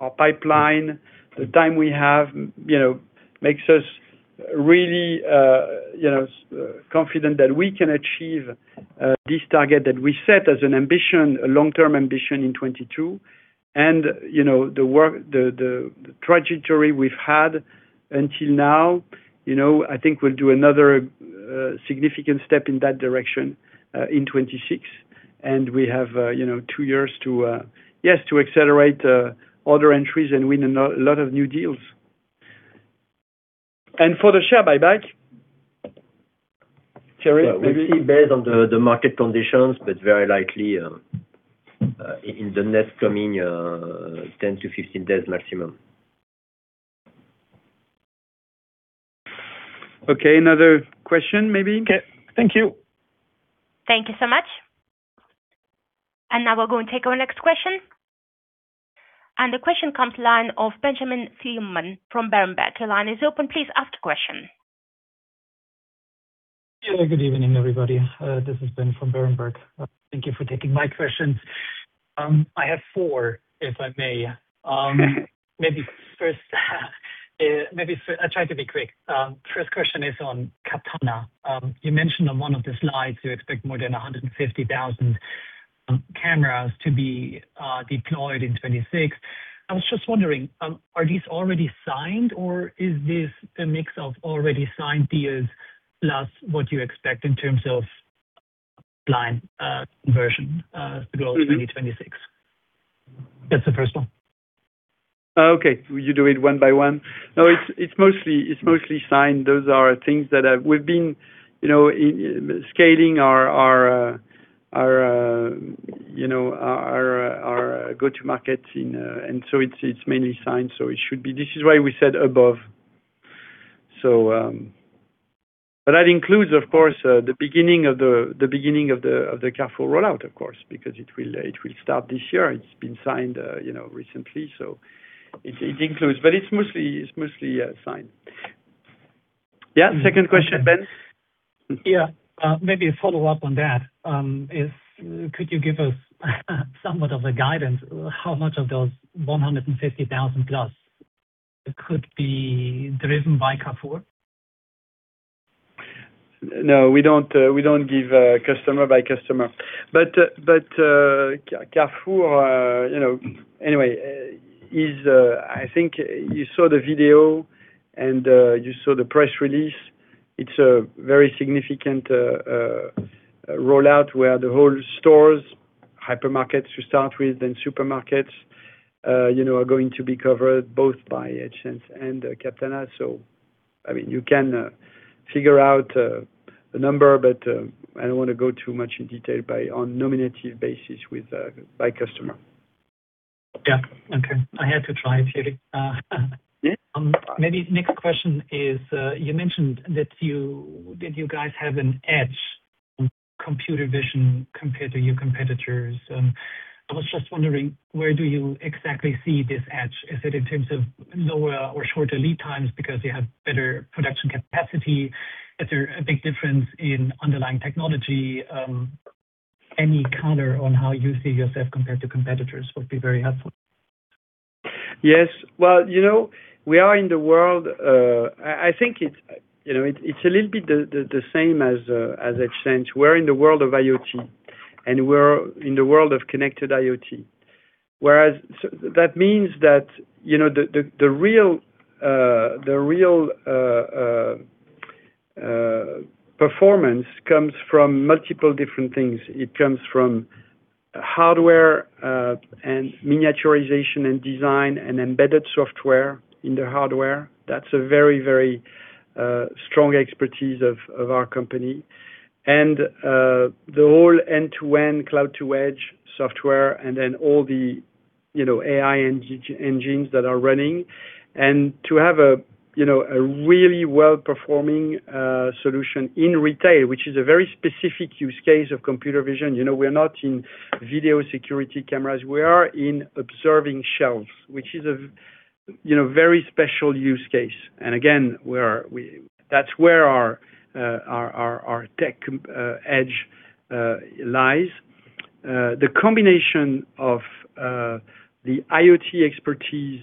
our pipeline, the time we have, you know, makes us really, you know, confident that we can achieve this target that we set as an ambition, a long-term ambition in 2022. You know, the work, the trajectory we've had until now, you know, I think we'll do another significant step in that direction in 2026. We have, you know, 2 years to, yes, to accelerate other entries and win a lot of new deals. For the share buyback, Thierry, maybe? We see based on the market conditions, very likely, in the next coming 10-15 days maximum. Okay. Another question maybe. Okay. Thank you. Thank you so much. Now we're going to take our next question. The question comes line of Benjamin Thielmann from Berenberg. The line is open. Please ask the question. Yeah, good evening, everybody. This is Ben from Berenberg. Thank you for taking my questions. I have 4, if I may. Maybe first, I'll try to be quick. First question is on Captana. You mentioned on one of the slides you expect more than 150,000 cameras to be deployed in 2026. I was just wondering, are these already signed, or is this a mix of already signed deals, plus what you expect in terms of blind version to go through 2026? That's the first one. Okay. You do it one by one. No, it's mostly signed. Those are things that we've been, you know, in scaling our go-to markets in. It's mainly signed. It should be. This is why we said above. But that includes, of course, the beginning of the Captana rollout, of course, because it will start this year. It's been signed, you know, recently, so it includes. It's mostly signed. Yeah. Second question, Ben. Maybe a follow-up on that, is could you give us somewhat of a guidance, how much of those 150,000 plus could be driven by Carrefour? No, we don't, we don't give customer by customer. Carrefour, you know, anyway, is, I think you saw the video, and, you saw the press release. It's a very significant rollout, where the whole stores, hypermarkets to start with, then supermarkets, you know, are going to be covered both by EdgeSense and Captana. I mean, you can figure out the number, but, I don't wanna go too much in detail by, on nominative basis with, by customer. Yeah. Okay. I had to try, Thierry. Yeah. Maybe next question is, you mentioned that you guys have an edge on computer vision compared to your competitors. I was just wondering, where do you exactly see this edge? Is it in terms of lower or shorter lead times because you have better production capacity? Is there a big difference in underlying technology? Any color on how you see yourself compared to competitors would be very helpful. Yes. Well, you know, we are in the world. I think it's, you know, it's a little bit the same as EdgeSense. We're in the world of IoT. We're in the world of connected IoT. Whereas, so that means that, you know, the real performance comes from multiple different things. It comes from hardware, and miniaturization in design and embedded software in the hardware. That's a very strong expertise of our company. The whole end-to-end cloud-to-edge software, and then all the, you know, AI engines that are running. To have a, you know, a really well-performing solution in retail, which is a very specific use case of computer vision. You know, we're not in video security cameras. We are in observing shelves, which is a, you know, very special use case. That's where our tech edge lies. The combination of the IoT expertise,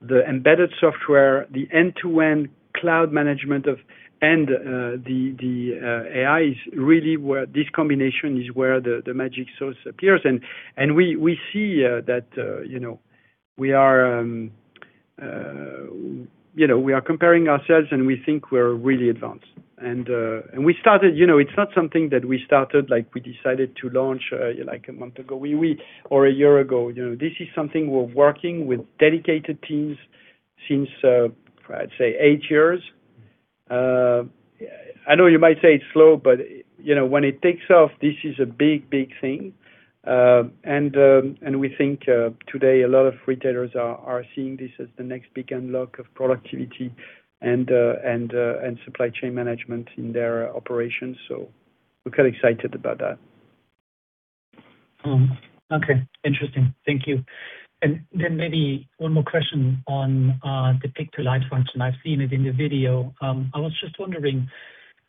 the embedded software, the end-to-end cloud management of... And the AI this combination is where the magic source appears. We see that, you know, we are, you know, we are comparing ourselves, and we think we're really advanced. We started... You know, it's not something that we started, like, we decided to launch like a month ago. Or a year ago. You know, this is something we're working with dedicated teams since I'd say 8 years. I know you might say it's slow, but, you know, when it takes off, this is a big thing. We think today, a lot of retailers are seeing this as the next big unlock of productivity and supply chain management in their operations, so we're quite excited about that. Okay. Interesting. Thank you. Then maybe one more question on the pick-to-light function. I've seen it in the video. I was just wondering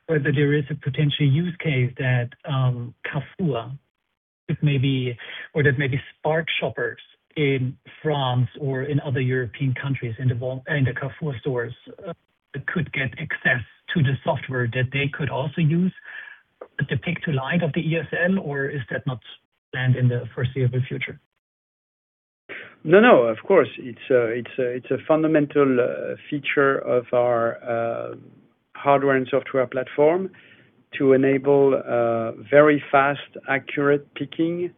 whether there is a potential use case that Carrefour, that maybe, or that maybe Spark Driver in France or in other European countries, in the Carrefour stores, could get access to the software, that they could also use the pick-to-light of the ESL, or is that not planned in the foreseeable future? No, of course. It's a fundamental feature of our hardware and software platform to enable very fast, accurate picking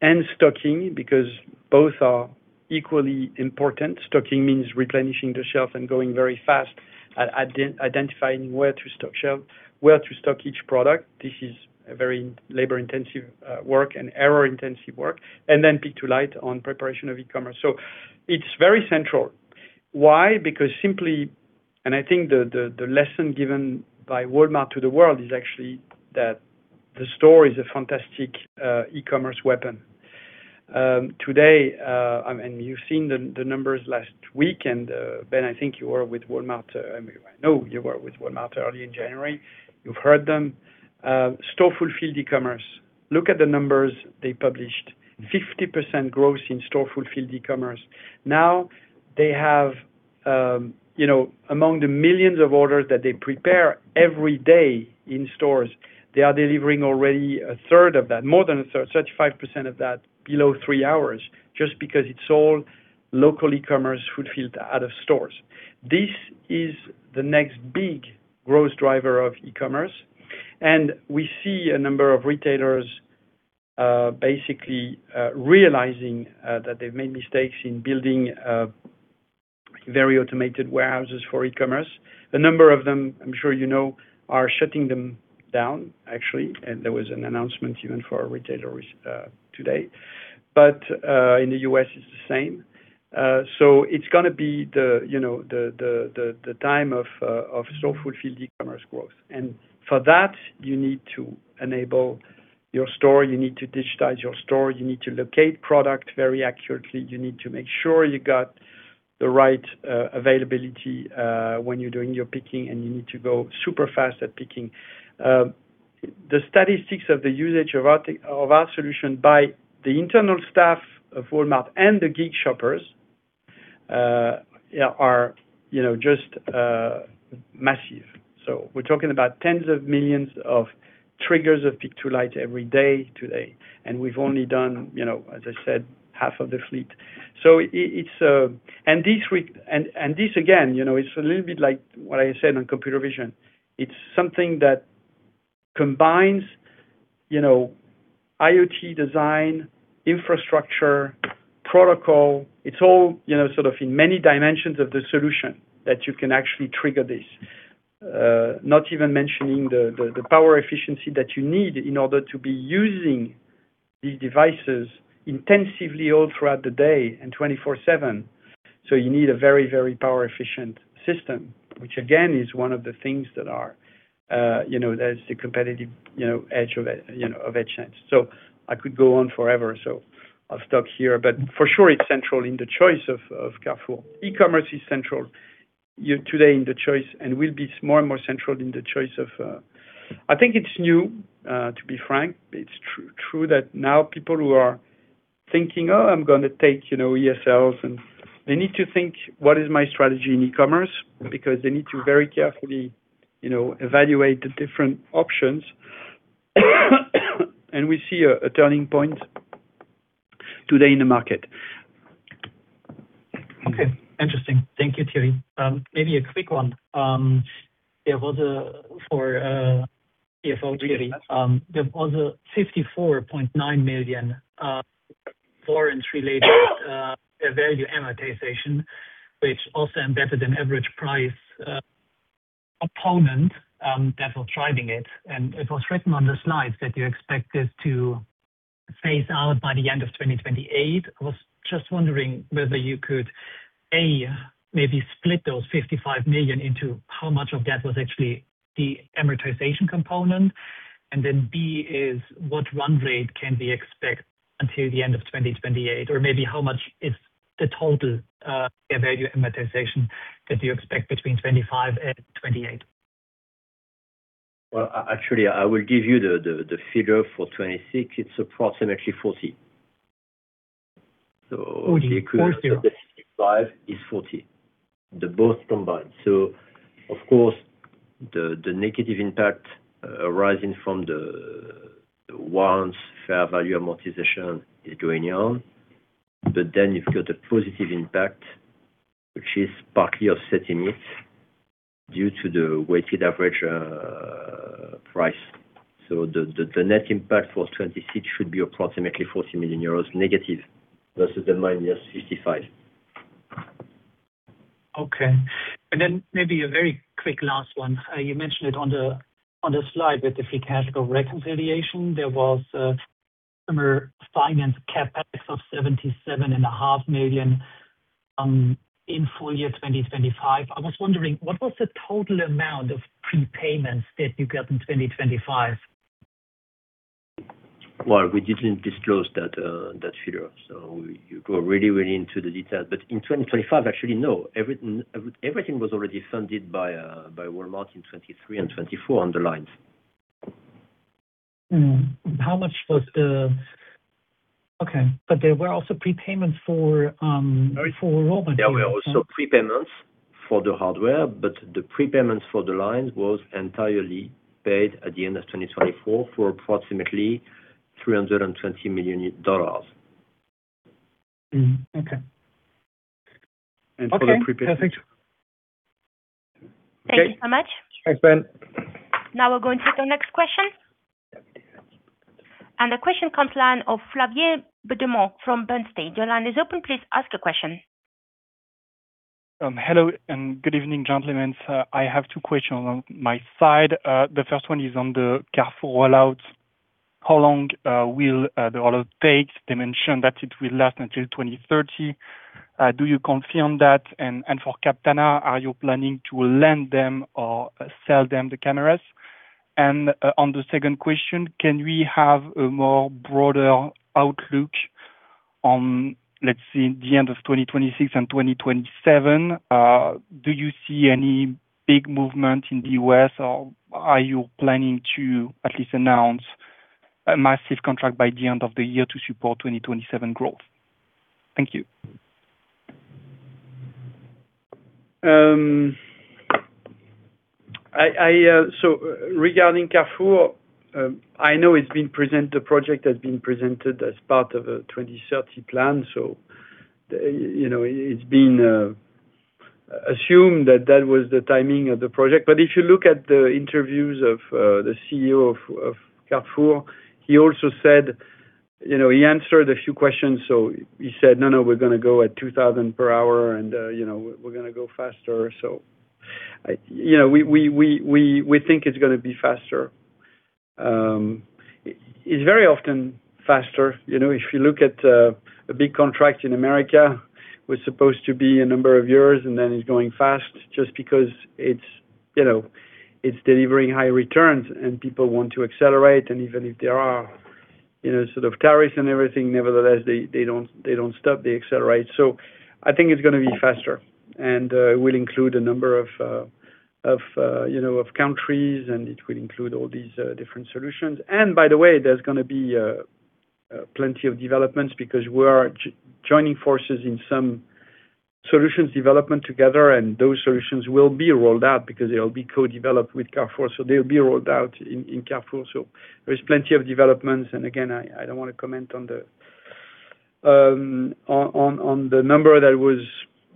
and stocking, because both are equally important. Stocking means replenishing the shelf and going very fast at identifying where to stock shelf, where to stock each product. This is a very labor-intensive work and error-intensive work, pick-to-light on preparation of e-commerce. It's very central. Why? Because simply. I think the lesson given by Walmart to the world is actually that the store is a fantastic e-commerce weapon. Today, you've seen the numbers last week, Ben, I think you were with Walmart, I mean, I know you were with Walmart early in January. You've heard them. Store fulfilled e-commerce. Look at the numbers they published. 50% growth in store fulfilled e-commerce. Now, they have, you know, among the millions of orders that they prepare every day in stores, they are delivering already a third of that, more than a third, 35% of that, below 3 hours, just because it's all local e-commerce fulfilled out of stores. This is the next big growth driver of e-commerce, and we see a number of retailers basically realizing that they've made mistakes in building very automated warehouses for e-commerce. A number of them, I'm sure you know, are shutting them down, actually, and there was an announcement even for our retailers today. In the U.S., it's the same. It's gonna be the, you know, the time of store-fulfilled e-commerce growth. For that, you need to enable your store, you need to digitize your store, you need to locate product very accurately. You need to make sure you got the right availability when you're doing your picking, and you need to go super fast at picking. The statistics of the usage of our solution by the internal staff of Walmart and the Geek shoppers are, you know, just massive. We're talking about tens of millions of triggers of pick-to-light every day today, and we've only done, you know, as I said, half of the fleet. It's. This, again, you know, is a little bit like what I said on computer vision. It's something that combines, you know, IoT design, infrastructure, protocol. It's all, you know, sort of in many dimensions of the solution that you can actually trigger this. Not even mentioning the, the power efficiency that you need in order to be using these devices intensively all throughout the day and 24/7. You need a very, very power-efficient system, which again, is one of the things that are, you know, that is the competitive, you know, edge of it, you know, of EdgeSense. I could go on forever, so I'll stop here. For sure, it's central in the choice of Carrefour. E-commerce is central, yeah, today in the choice and will be more and more central in the choice of... I think it's new, to be frank. It's true that now people who are-... Thinking, oh, I'm gonna take, you know, ESLs and they need to think, what is my strategy in e-commerce? They need to very carefully, you know, evaluate the different options, and we see a turning point today in the market. Okay, interesting. Thank you, Thierry. Maybe a quick one. There was a CFO, Thierry, there was a 54.9 million warrants related fair value amortization, which also embedded an average price opponent that was driving it. It was written on the slides that you expect this to phase out by the end of 2028. I was just wondering whether you could, A, maybe split those 55 million into how much of that was actually the amortization component. B, is what run rate can be expect until the end of 2028, or maybe how much is the total fair value amortization that you expect between 2025 and 2028? Well, actually, I will give you the figure for 2026. It's approximately 40. Oh, 40. 5 is 40. They both combined. Of course, the negative impact arising from the warrants fair value amortization is going down. You've got a positive impact, which is partly offsetting it due to the weighted average price. The net impact for 2026 should be approximately 40 million euros negative, versus the -55. Okay. Maybe a very quick last one. You mentioned it on the, on the slide, with the free category reconciliation, there was customer finance CapEx of 77 and a half million in full year 2025. I was wondering, what was the total amount of prepayments that you got in 2025? Well, we didn't disclose that figure, so you go really into the detail. In 2025, actually, no, everything was already funded by Walmart in 2023 and 2024 on the lines. Okay, there were also prepayments for Walmart. There were also prepayments for the hardware, but the prepayments for the lines was entirely paid at the end of 2024 for approximately $320 million. Mm-hmm. Okay. For the prepayment- Okay, perfect. Thank you so much. Thanks, Ben. Now we're going to the next question. The question comes line of Flavien Baudemont from Bernstein. Your line is open, please ask the question. Hello, and good evening, gentlemen. I have 2 questions on my side. The first one is on the Carrefour rollout. How long will the rollout take? They mentioned that it will last until 2030. Do you confirm that? For Captana, are you planning to lend them or sell them the cameras? On the second question, can we have a more broader outlook on, let's say, the end of 2026 and 2027? Do you see any big movement in the U.S., or are you planning to at least announce a massive contract by the end of the year to support 2027 growth? Thank you. Regarding Carrefour, I know it's been presented, the project has been presented as part of a 2030 plan, it's been assumed that that was the timing of the project. If you look at the interviews of the CEO of Carrefour, he also said. He answered a few questions, he said: "No, no, we're gonna go at 2,000 per hour, and we're gonna go faster." We think it's gonna be faster. It's very often faster. You know, if you look at a big contract in America, was supposed to be a number of years, and then it's going fast, just because it's, you know, it's delivering high returns and people want to accelerate, and even if there are, you know, sort of tariffs and everything, nevertheless, they don't, they don't stop, they accelerate. I think it's gonna be faster and will include a number of countries, and it will include all these different solutions. By the way, there's gonna be plenty of developments because we are joining forces in some solutions development together, and those solutions will be rolled out because they'll be co-developed with Carrefour, so they'll be rolled out in Carrefour. There's plenty of developments. Again, I don't wanna comment on the number that was,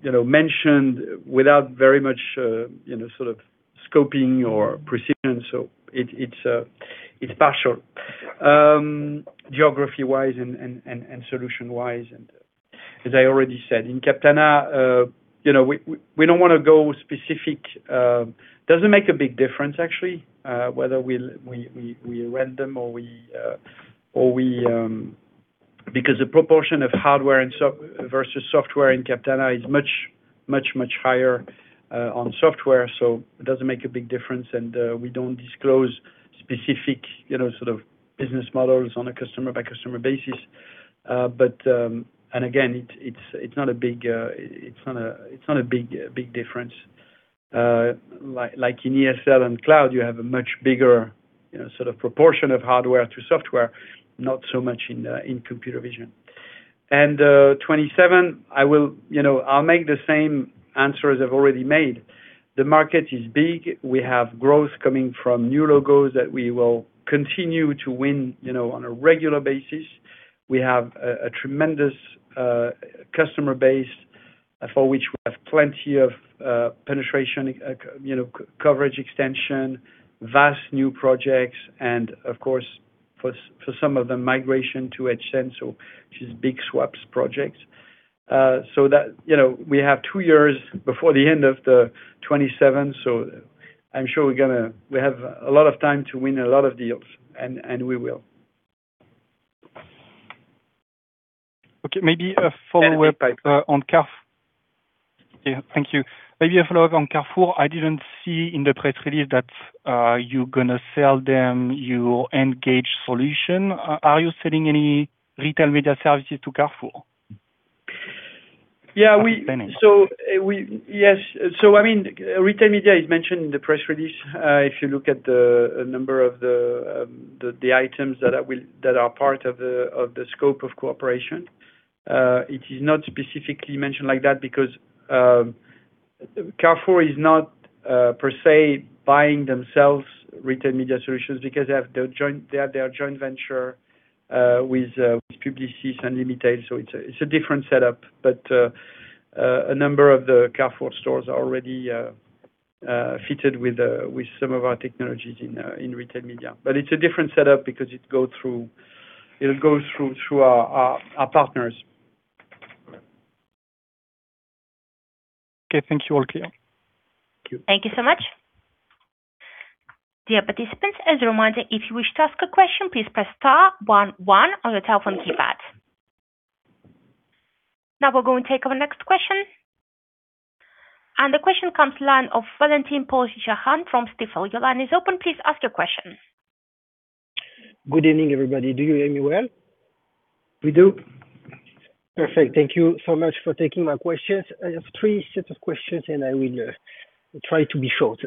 you know, mentioned without very much, you know, sort of scoping or precision. It's partial, geography wise and solution wise. As I already said, in Captana, you know, we don't wanna go specific. Doesn't make a big difference actually, whether we rent them or we. Because the proportion of hardware and versus software in Captana is much higher on software, so it doesn't make a big difference. We don't disclose specific, you know, sort of business models on a customer-by-customer basis. Again, it's not a big difference. Like in ESL and cloud, you have a much bigger, you know, sort of proportion of hardware to software, not so much in computer vision. 27, I will, you know, I'll make the same answers I've already made. The market is big. We have growth coming from new logos that we will continue to win, you know, on a regular basis. We have a tremendous customer base for which we have plenty of penetration, you know, coverage, extension, vast new projects, and of course, for some of them, migration to EdgeSense, so which is big swaps projects. You know, we have 2 years before the end of 27, so I'm sure we have a lot of time to win a lot of deals, and we will. Yeah, thank you. Maybe a follow-up on Carrefour. I didn't see in the press release that, you're gonna sell them your engaged solution. Are you selling any retail media services to Carrefour? Yeah. Depending. Yes. I mean, retail media is mentioned in the press release. If you look at the number of the items that are part of the scope of cooperation, it is not specifically mentioned like that because Carrefour is not per se buying themselves retail media solutions because they have their joint venture with Publicis Unlimitail, so it's a different setup. A number of the Carrefour stores are already fitted with some of our technologies in retail media. It's a different setup because it'll go through our partners. Okay, thank you, Aurier. Thank you. Thank you so much. Dear participants, as a reminder, if you wish to ask a question, please press star one one on your telephone keypad. Now we're going to take our next question. The question comes line of Valentin-Paul Jahan from Stifel. Your line is open. Please ask your question. Good evening, everybody. Do you hear me well? We do. Perfect. Thank you so much for taking my questions. I have 3 set of questions, and I will try to be short.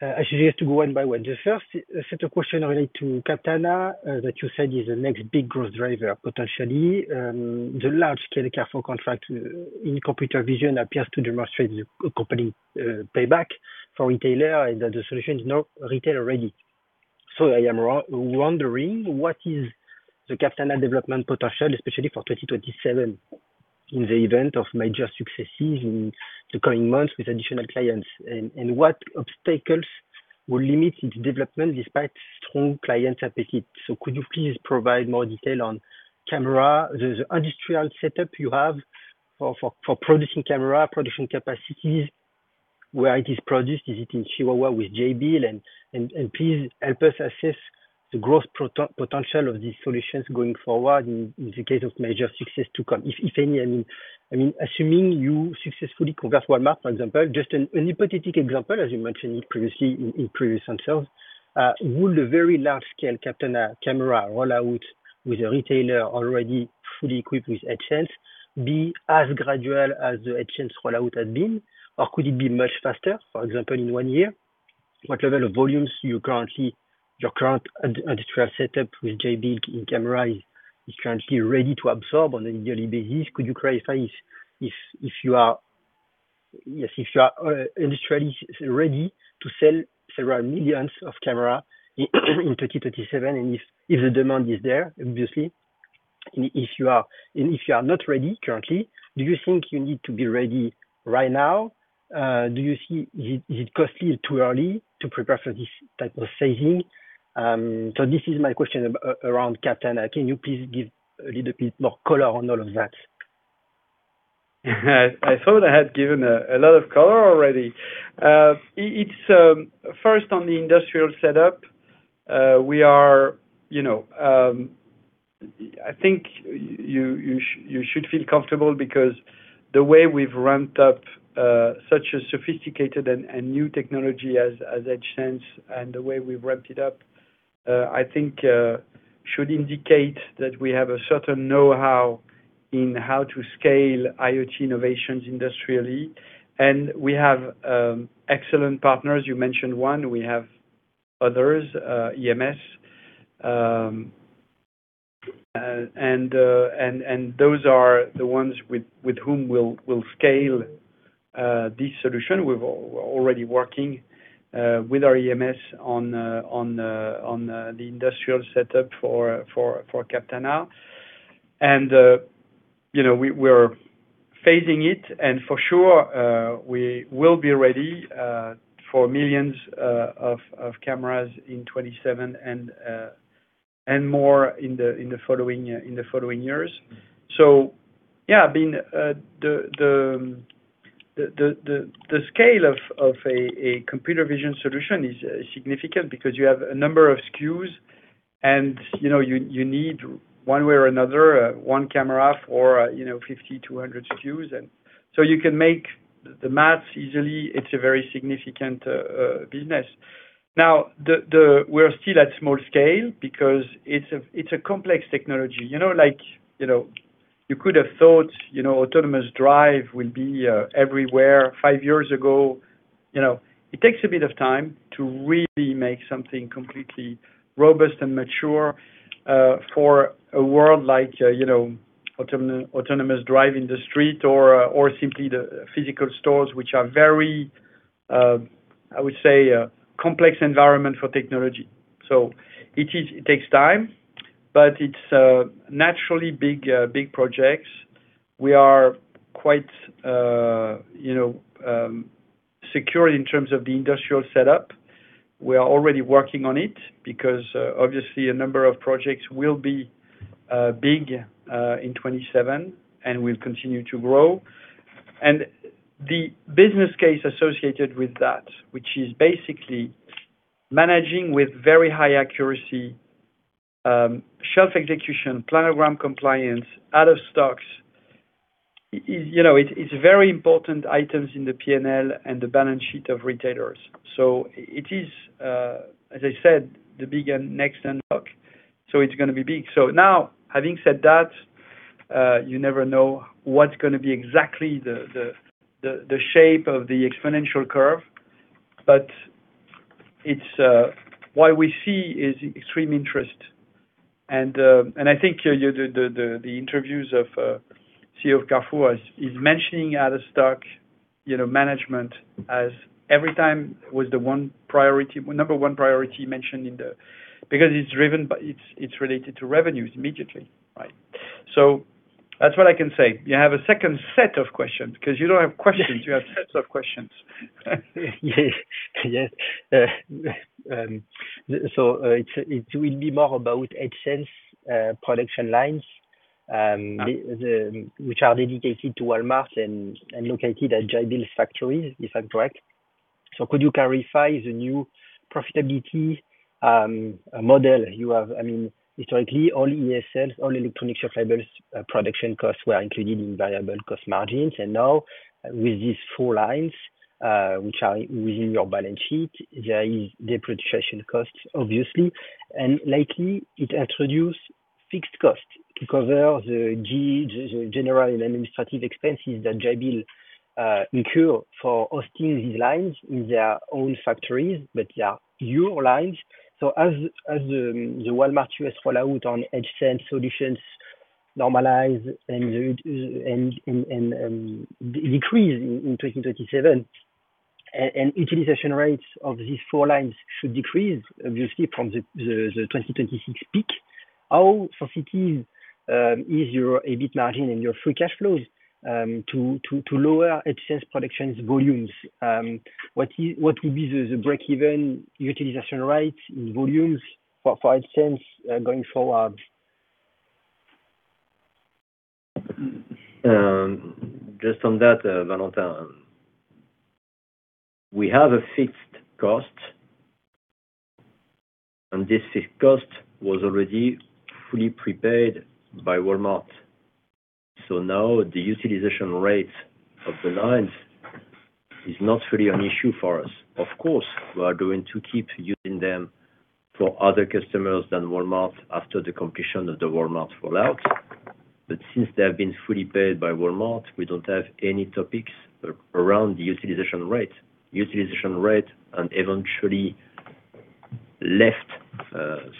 I suggest to go one by one. The first set of question relate to Captana, that you said is the next big growth driver, potentially. The large-scale Carrefour contract in computer vision appears to demonstrate the company payback for retailer, and that the solution is now retail ready. I am wondering, what is the Captana development potential, especially for 2027, in the event of major successes in the coming months with additional clients, and what obstacles will limit its development despite strong client appetite? Could you please provide more detail on camera, the industrial setup you have for producing camera, production capacities, where it is produced, is it in Chihuahua with Jabil? Please help us assess the growth potential of these solutions going forward in the case of major success to come. If any, I mean, assuming you successfully convert Walmart, for example, just an hypothetical example, as you mentioned it previously in previous answers, would a very large scale Captana camera rollout with a retailer already fully equipped with EdgeSense, be as gradual as the EdgeSense rollout has been, or could it be much faster, for example, in one year? What level of volumes your current industrial setup with Jabil in camera is currently ready to absorb on a yearly basis? Could you clarify if you are, yes, if you are industrially ready to sell several millions of camera in 2027, and if the demand is there, obviously? If you are, and if you are not ready currently, do you think you need to be ready right now? Do you see, is it costly or too early to prepare for this type of phasing? This is my question around Captana. Can you please give a little bit more color on all of that? I thought I had given a lot of color already. It's first on the industrial setup, we are, you know, I think you should feel comfortable because the way we've ramped up such a sophisticated and new technology as EdgeSense, and the way we've ramped it up, I think should indicate that we have a certain know-how in how to scale IoT innovations industrially. We have excellent partners. You mentioned one, we have others, EMS. Those are the ones with whom we'll scale this solution. We're already working with our EMS on the industrial setup for Captana. You know, we're phasing it, for sure, we will be ready for millions of cameras in 2027 and more in the following years. I mean, the scale of a computer vision solution is significant because you have a number of SKUs and, you know, you need one way or another, one camera for, you know, 50, 200 SKUs. You can make the maths easily, it's a very significant business. We're still at small scale because it's a complex technology. You know, like, you know, you could have thought, you know, autonomous drive will be everywhere 5 years ago. You know, it takes a bit of time to really make something completely robust and mature for a world like, you know, autonomous drive in the street or simply the physical stores, which are very, I would say, complex environment for technology. It is, it takes time, but it's naturally big, big projects. We are quite, you know, secure in terms of the industrial setup. We are already working on it because obviously a number of projects will be big in 2027, and we'll continue to grow. The business case associated with that, which is basically managing with very high accuracy, shelf execution, planogram compliance, out of stocks, is, you know, it's very important items in the P&L and the balance sheet of retailers. It is, as I said, the big and next handbook, so it's gonna be big. Now, having said that, you never know what's gonna be exactly the shape of the exponential curve, but it's. What we see is extreme interest. I think, you know, the interviews of CEO of Carrefour is mentioning out-of-stock, you know, management as every time was the number one priority mentioned in the. Because it's driven by, it's related to revenues immediately, right? That's what I can say. You have a second set of questions, 'cause you don't have questions, you have sets of questions. Yes. Yes. It will be more about SESimagotag's production lines. Yeah... the, which are dedicated to Walmart and located at Jabil factories, if I'm correct. Could you clarify the new profitability model you have? I mean, historically, all ESL, all electronic shelf labels, production costs were included in variable cost margins. Now, with these 4 lines, which are within your balance sheet, there is depreciation costs obviously. Lately, it introduced fixed costs to cover the general and administrative expenses that Jabil incur for hosting these lines in their own factories, but they are your lines. As the Walmart U.S. fallout on SESimagotag solutions normalize and decrease in 2027, and utilization rates of these 4 lines should decrease obviously from the 2026 peak. How sophisticated is your EBIT margin and your free cash flows to lower SESimagotag's productions volumes? What will be the break-even utilization rate in volumes for SESimagotag's going forward? Just on that, Valentin. We have a fixed cost, and this fixed cost was already fully prepaid by Walmart. Now the utilization rate of the lines is not really an issue for us. Of course, we are going to keep using them for other customers than Walmart after the completion of the Walmart rollout. Since they have been fully paid by Walmart, we don't have any topics around the utilization rate. Utilization rate and eventually left,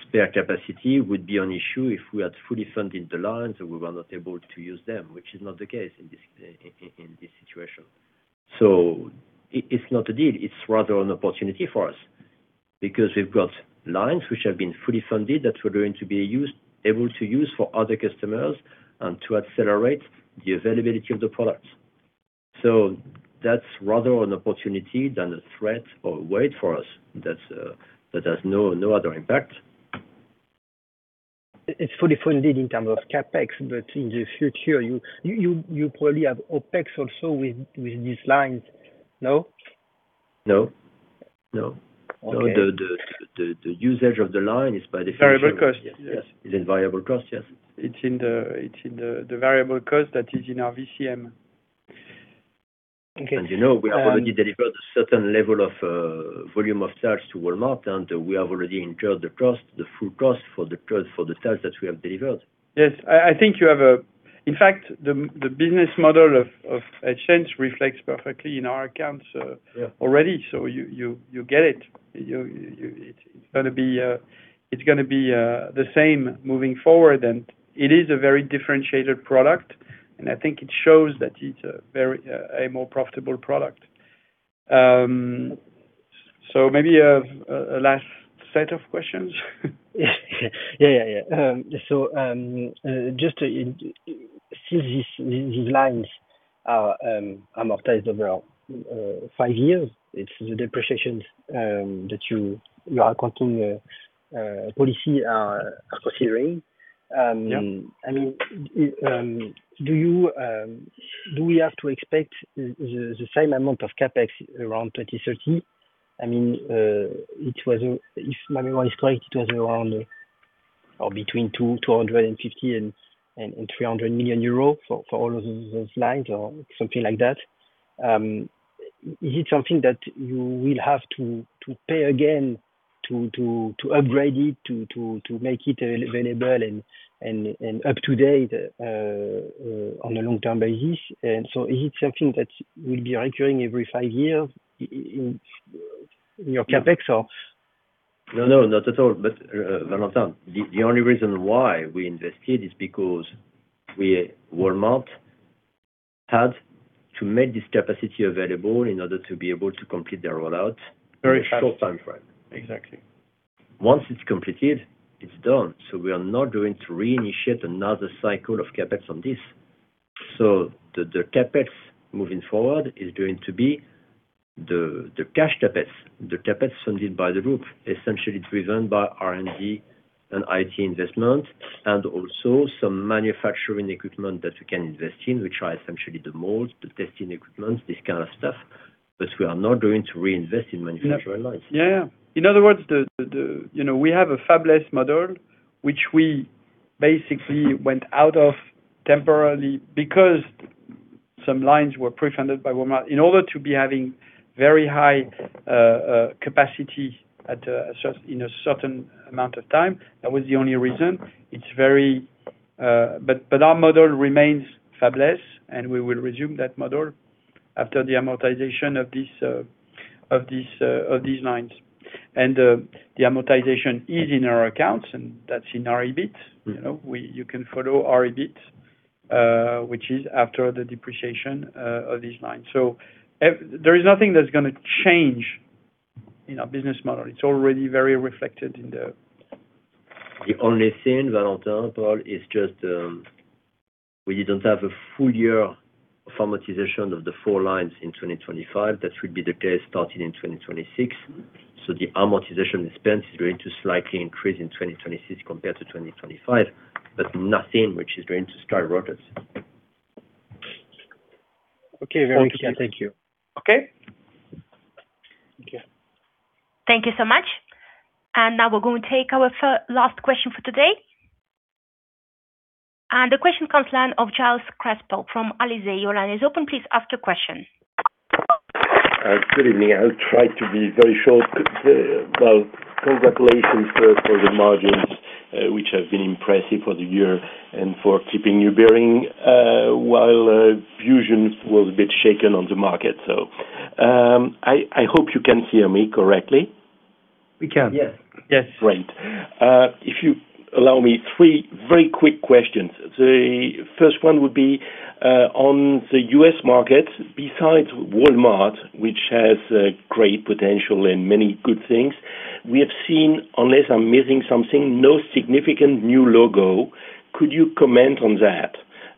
spare capacity would be an issue if we had fully funded the lines, and we were not able to use them, which is not the case in this situation. It's not a deal. It's rather an opportunity for us because we've got lines which have been fully funded, that we're going to be used, able to use for other customers and to accelerate the availability of the products. That's rather an opportunity than a threat or a worry for us. That has no other impact. It's fully funded in terms of CapEx, in the future, you probably have OpEx also with these lines, no? No. No. Okay. No, the usage of the line is by definition- Variable cost. Yes. It's in variable cost, yes. It's in the variable cost that is in our VCM. Okay, um- You know, we have already delivered a certain level of volume of sales to Walmart, and we have already incurred the full cost for the sales that we have delivered. Yes. I think you have a... In fact, the business model of SESimagotag reflects perfectly in our accounts. Yeah... already, you get it. You, it's gonna be the same moving forward, and it is a very differentiated product, and I think it shows that it's a very, a more profitable product. Maybe a last set of questions? Yeah, yeah. Just to see these lines are amortized over 5 years. It's the depreciation that you are accounting policy are considering. Yeah. I mean, do you do we have to expect the same amount of CapEx around 2030? I mean, it was, if my memory is correct, it was around or between 250 million and 300 million euro for all of those lines or something like that. Is it something that you will have to pay again to upgrade it, to make it available and up to date on a long-term basis? Is it something that will be recurring every 5 years in your CapEx or? No, no, not at all. Valentin, the only reason why we invested is because we, Walmart, had to make this capacity available in order to be able to complete their rollout- Very fast. In a short timeframe. Exactly. Once it's completed, it's done, we are not going to reinitiate another cycle of CapEx on this. The CapEx moving forward is going to be the cash CapEx, the CapEx funded by the group, essentially driven by R&D and IT investment, and also some manufacturing equipment that we can invest in, which are essentially the molds, the testing equipments, this kind of stuff. We are not going to reinvest in manufacturing lines. Yeah. In other words, you know, we have a fabless model, which we basically went out of temporarily because some lines were pre-funded by Walmart in order to be having very high capacity in a certain amount of time. That was the only reason. It's very. Our model remains fabless, and we will resume that model after the amortization of this, of these lines. The amortization is in our accounts, and that's in our EBIT. Mm-hmm. You know, we, you can follow our EBIT, which is after the depreciation, of these lines. There is nothing that's gonna change in our business model. It's already very reflected. The only thing, Valentin, Paul, is just, we don't have a full year amortization of the four lines in 2025. That should be the case starting in 2026. The amortization expense is going to slightly increase in 2026 compared to 2025, but nothing which is going to start rotors. Okay. Very clear. Thank you. Okay. Thank you. Thank you so much. Now we're going to take our last question for today. The question comes line of Gilles Crespel from Alizés. Your line is open, please, after question. Good evening. I'll try to be very short. Well, congratulations first for the margins, which have been impressive for the year and for keeping your bearing, while VusionGroup was a bit shaken on the market. I hope you can hear me correctly. We can. Yes. Yes. Great. If you allow me 3 very quick questions. The first one would be on the US market, besides Walmart, which has great potential and many good things, we have seen, unless I'm missing something, no significant new logo. Could you comment on that?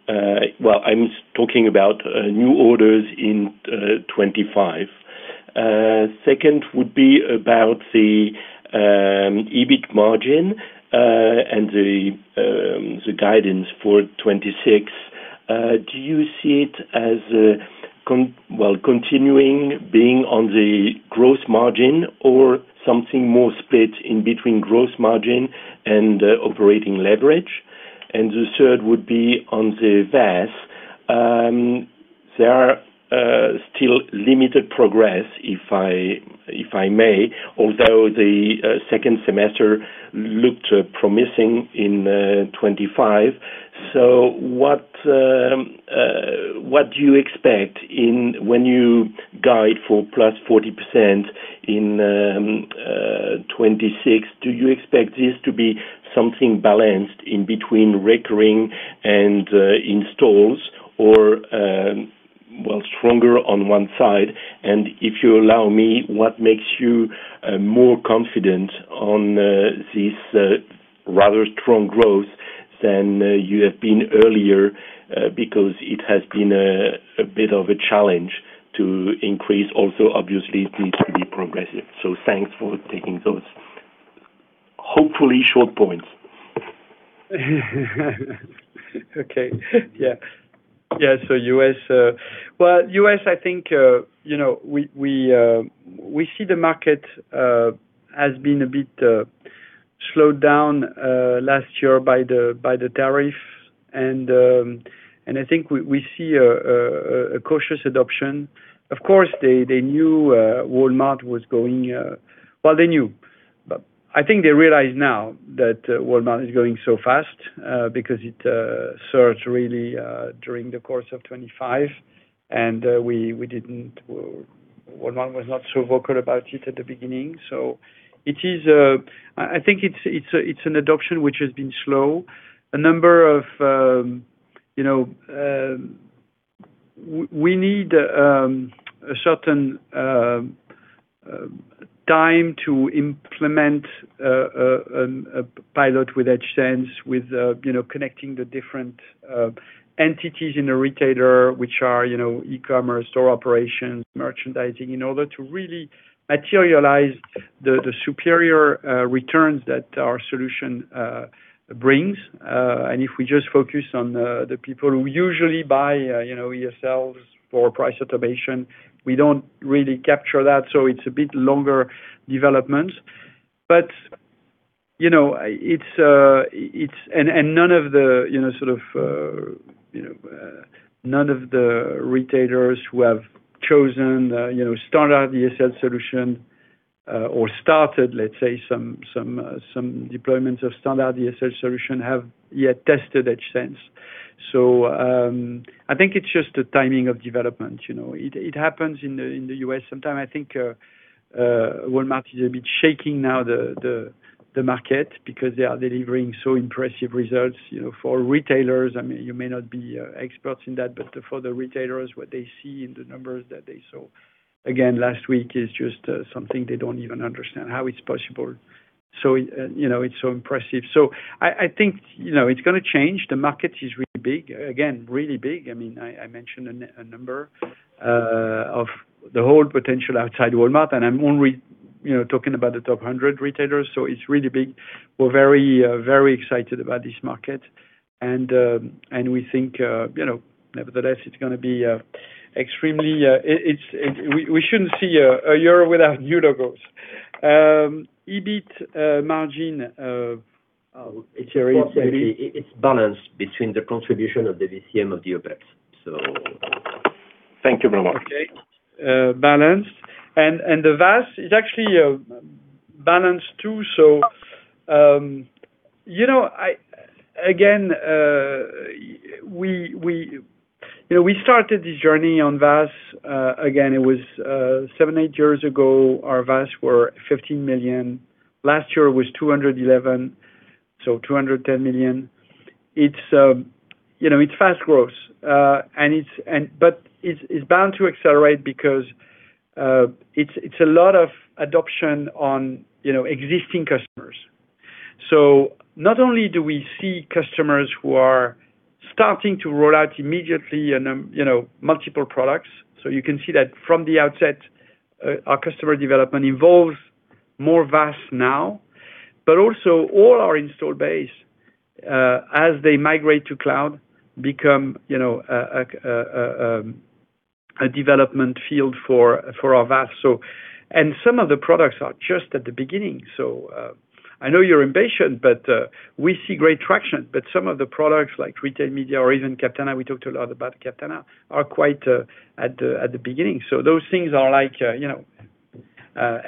I'm talking about new orders in 25. Second would be about the EBIT margin and the guidance for 26. Do you see it as continuing being on the growth margin or something more split in between gross margin and operating leverage? The third would be on the VAS. There are still limited progress, if I may, although the second semester looked promising in 25. What do you expect in... When you guide for plus 40% in 2026, do you expect this to be something balanced in between recurring and installs or, well, stronger on one side? If you allow me, what makes you more confident on this rather strong growth than you have been earlier, because it has been a bit of a challenge to increase also, obviously it needs to be progressive? Thanks for taking those, hopefully short points. Okay. Yeah. Yeah, U.S., well, U.S., I think, you know, we, we see the market has been a bit slowed down last year by the tariffs. I think we see a cautious adoption. Of course, they knew Walmart was going. Well, they knew, but I think they realize now that Walmart is going so fast, because it surged really during the course of 2025. We didn't, Walmart was not so vocal about it at the beginning. It is, I think it's an adoption which has been slow. A number of, you know, we need a certain time to implement a pilot with EdgeSense, with, you know, connecting the different entities in the retailer, which are, you know, e-commerce, store operations, merchandising, in order to really materialize the superior returns that our solution brings. If we just focus on the people who usually buy, you know, ESLs for price automation, we don't really capture that, so it's a bit longer development. You know, it's, and none of the, you know, sort of, you know, none of the retailers who have chosen, you know, standard ESL solution, or started, let's say, some deployments of standard ESL solution, have yet tested EdgeSense. I think it's just the timing of development, you know. It happens in the U.S. sometime. I think Walmart is a bit shaking now, the market, because they are delivering so impressive results, you know, for retailers. I mean, you may not be experts in that, but for the retailers, what they see in the numbers that they saw again last week is just something they don't even understand how it's possible. You know, it's so impressive. I think, you know, it's gonna change. The market is really big, again, really big. I mean, I mentioned a number of the whole potential outside Walmart, and I'm only, you know, talking about the top 100 retailers, it's really big. We're very excited about this market, and we think, you know, nevertheless, it's gonna be extremely, we shouldn't see a year without new logos. EBIT margin, Thierry, maybe? It's balanced between the contribution of the VCM of the OpEx. Thank you very much. Okay. Balanced. The VAS is actually, you know, again, we, you know, we started this journey on VAS again, it was 7, 8 years ago. Our VAS were 15 million. Last year was 211, so 210 million. It's, you know, it's fast growth, but it's bound to accelerate because it's a lot of adoption on, you know, existing customers. Not only do we see customers who are starting to roll out immediately and, you know, multiple products, so you can see that from the outset, our customer development involves more VAS now, but also all our install base as they migrate to cloud, become, you know, a development field for our VAS. Some of the products are just at the beginning. I know you're impatient, but we see great traction. Some of the products, like retail media or even Captana, we talked a lot about Captana, are quite at the beginning. Those things are like, you know,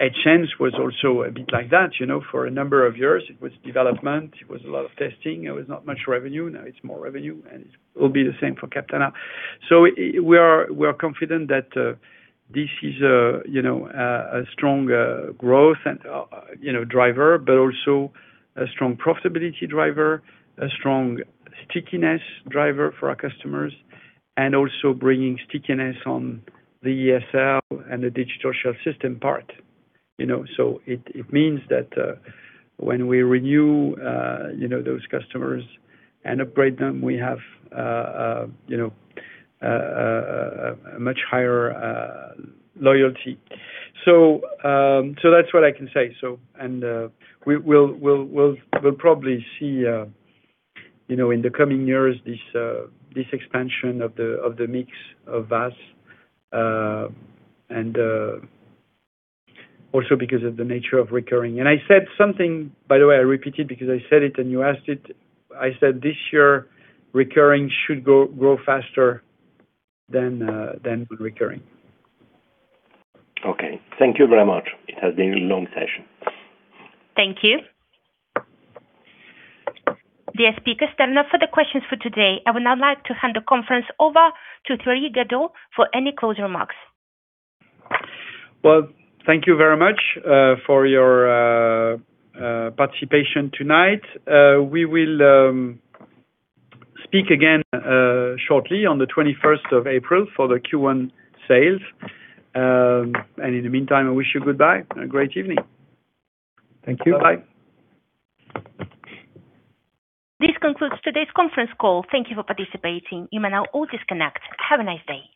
EdgeSense was also a bit like that, you know. For a number of years, it was development, it was a lot of testing, it was not much revenue. Now, it's more revenue, and it will be the same for Captana. We are, we are confident that this is a, you know, a strong growth and, you know, driver, but also a strong profitability driver, a strong stickiness driver for our customers, and also bringing stickiness on the ESL and the digital shelf system part, you know. It, it means that, when we renew, you know, those customers and upgrade them, we have, you know, a much higher loyalty. That's what I can say, so, and, we'll probably see, you know, in the coming years this expansion of the mix of VAS, and, also because of the nature of recurring. I said something, by the way, I repeat it because I said it and you asked it. I said, this year recurring should grow faster than recurring. Okay. Thank you very much. It has been a long session. Thank you. Dear speakers, there are no further questions for today. I would now like to hand the conference over to Thierry Gadou for any closing remarks. Well, thank you very much for your participation tonight. We will speak again shortly on the 21st of April for the Q1 sales, and in the meantime, I wish you goodbye and a great evening. Thank you. Bye-bye. This concludes today's conference call. Thank you for participating. You may now all disconnect. Have a nice day.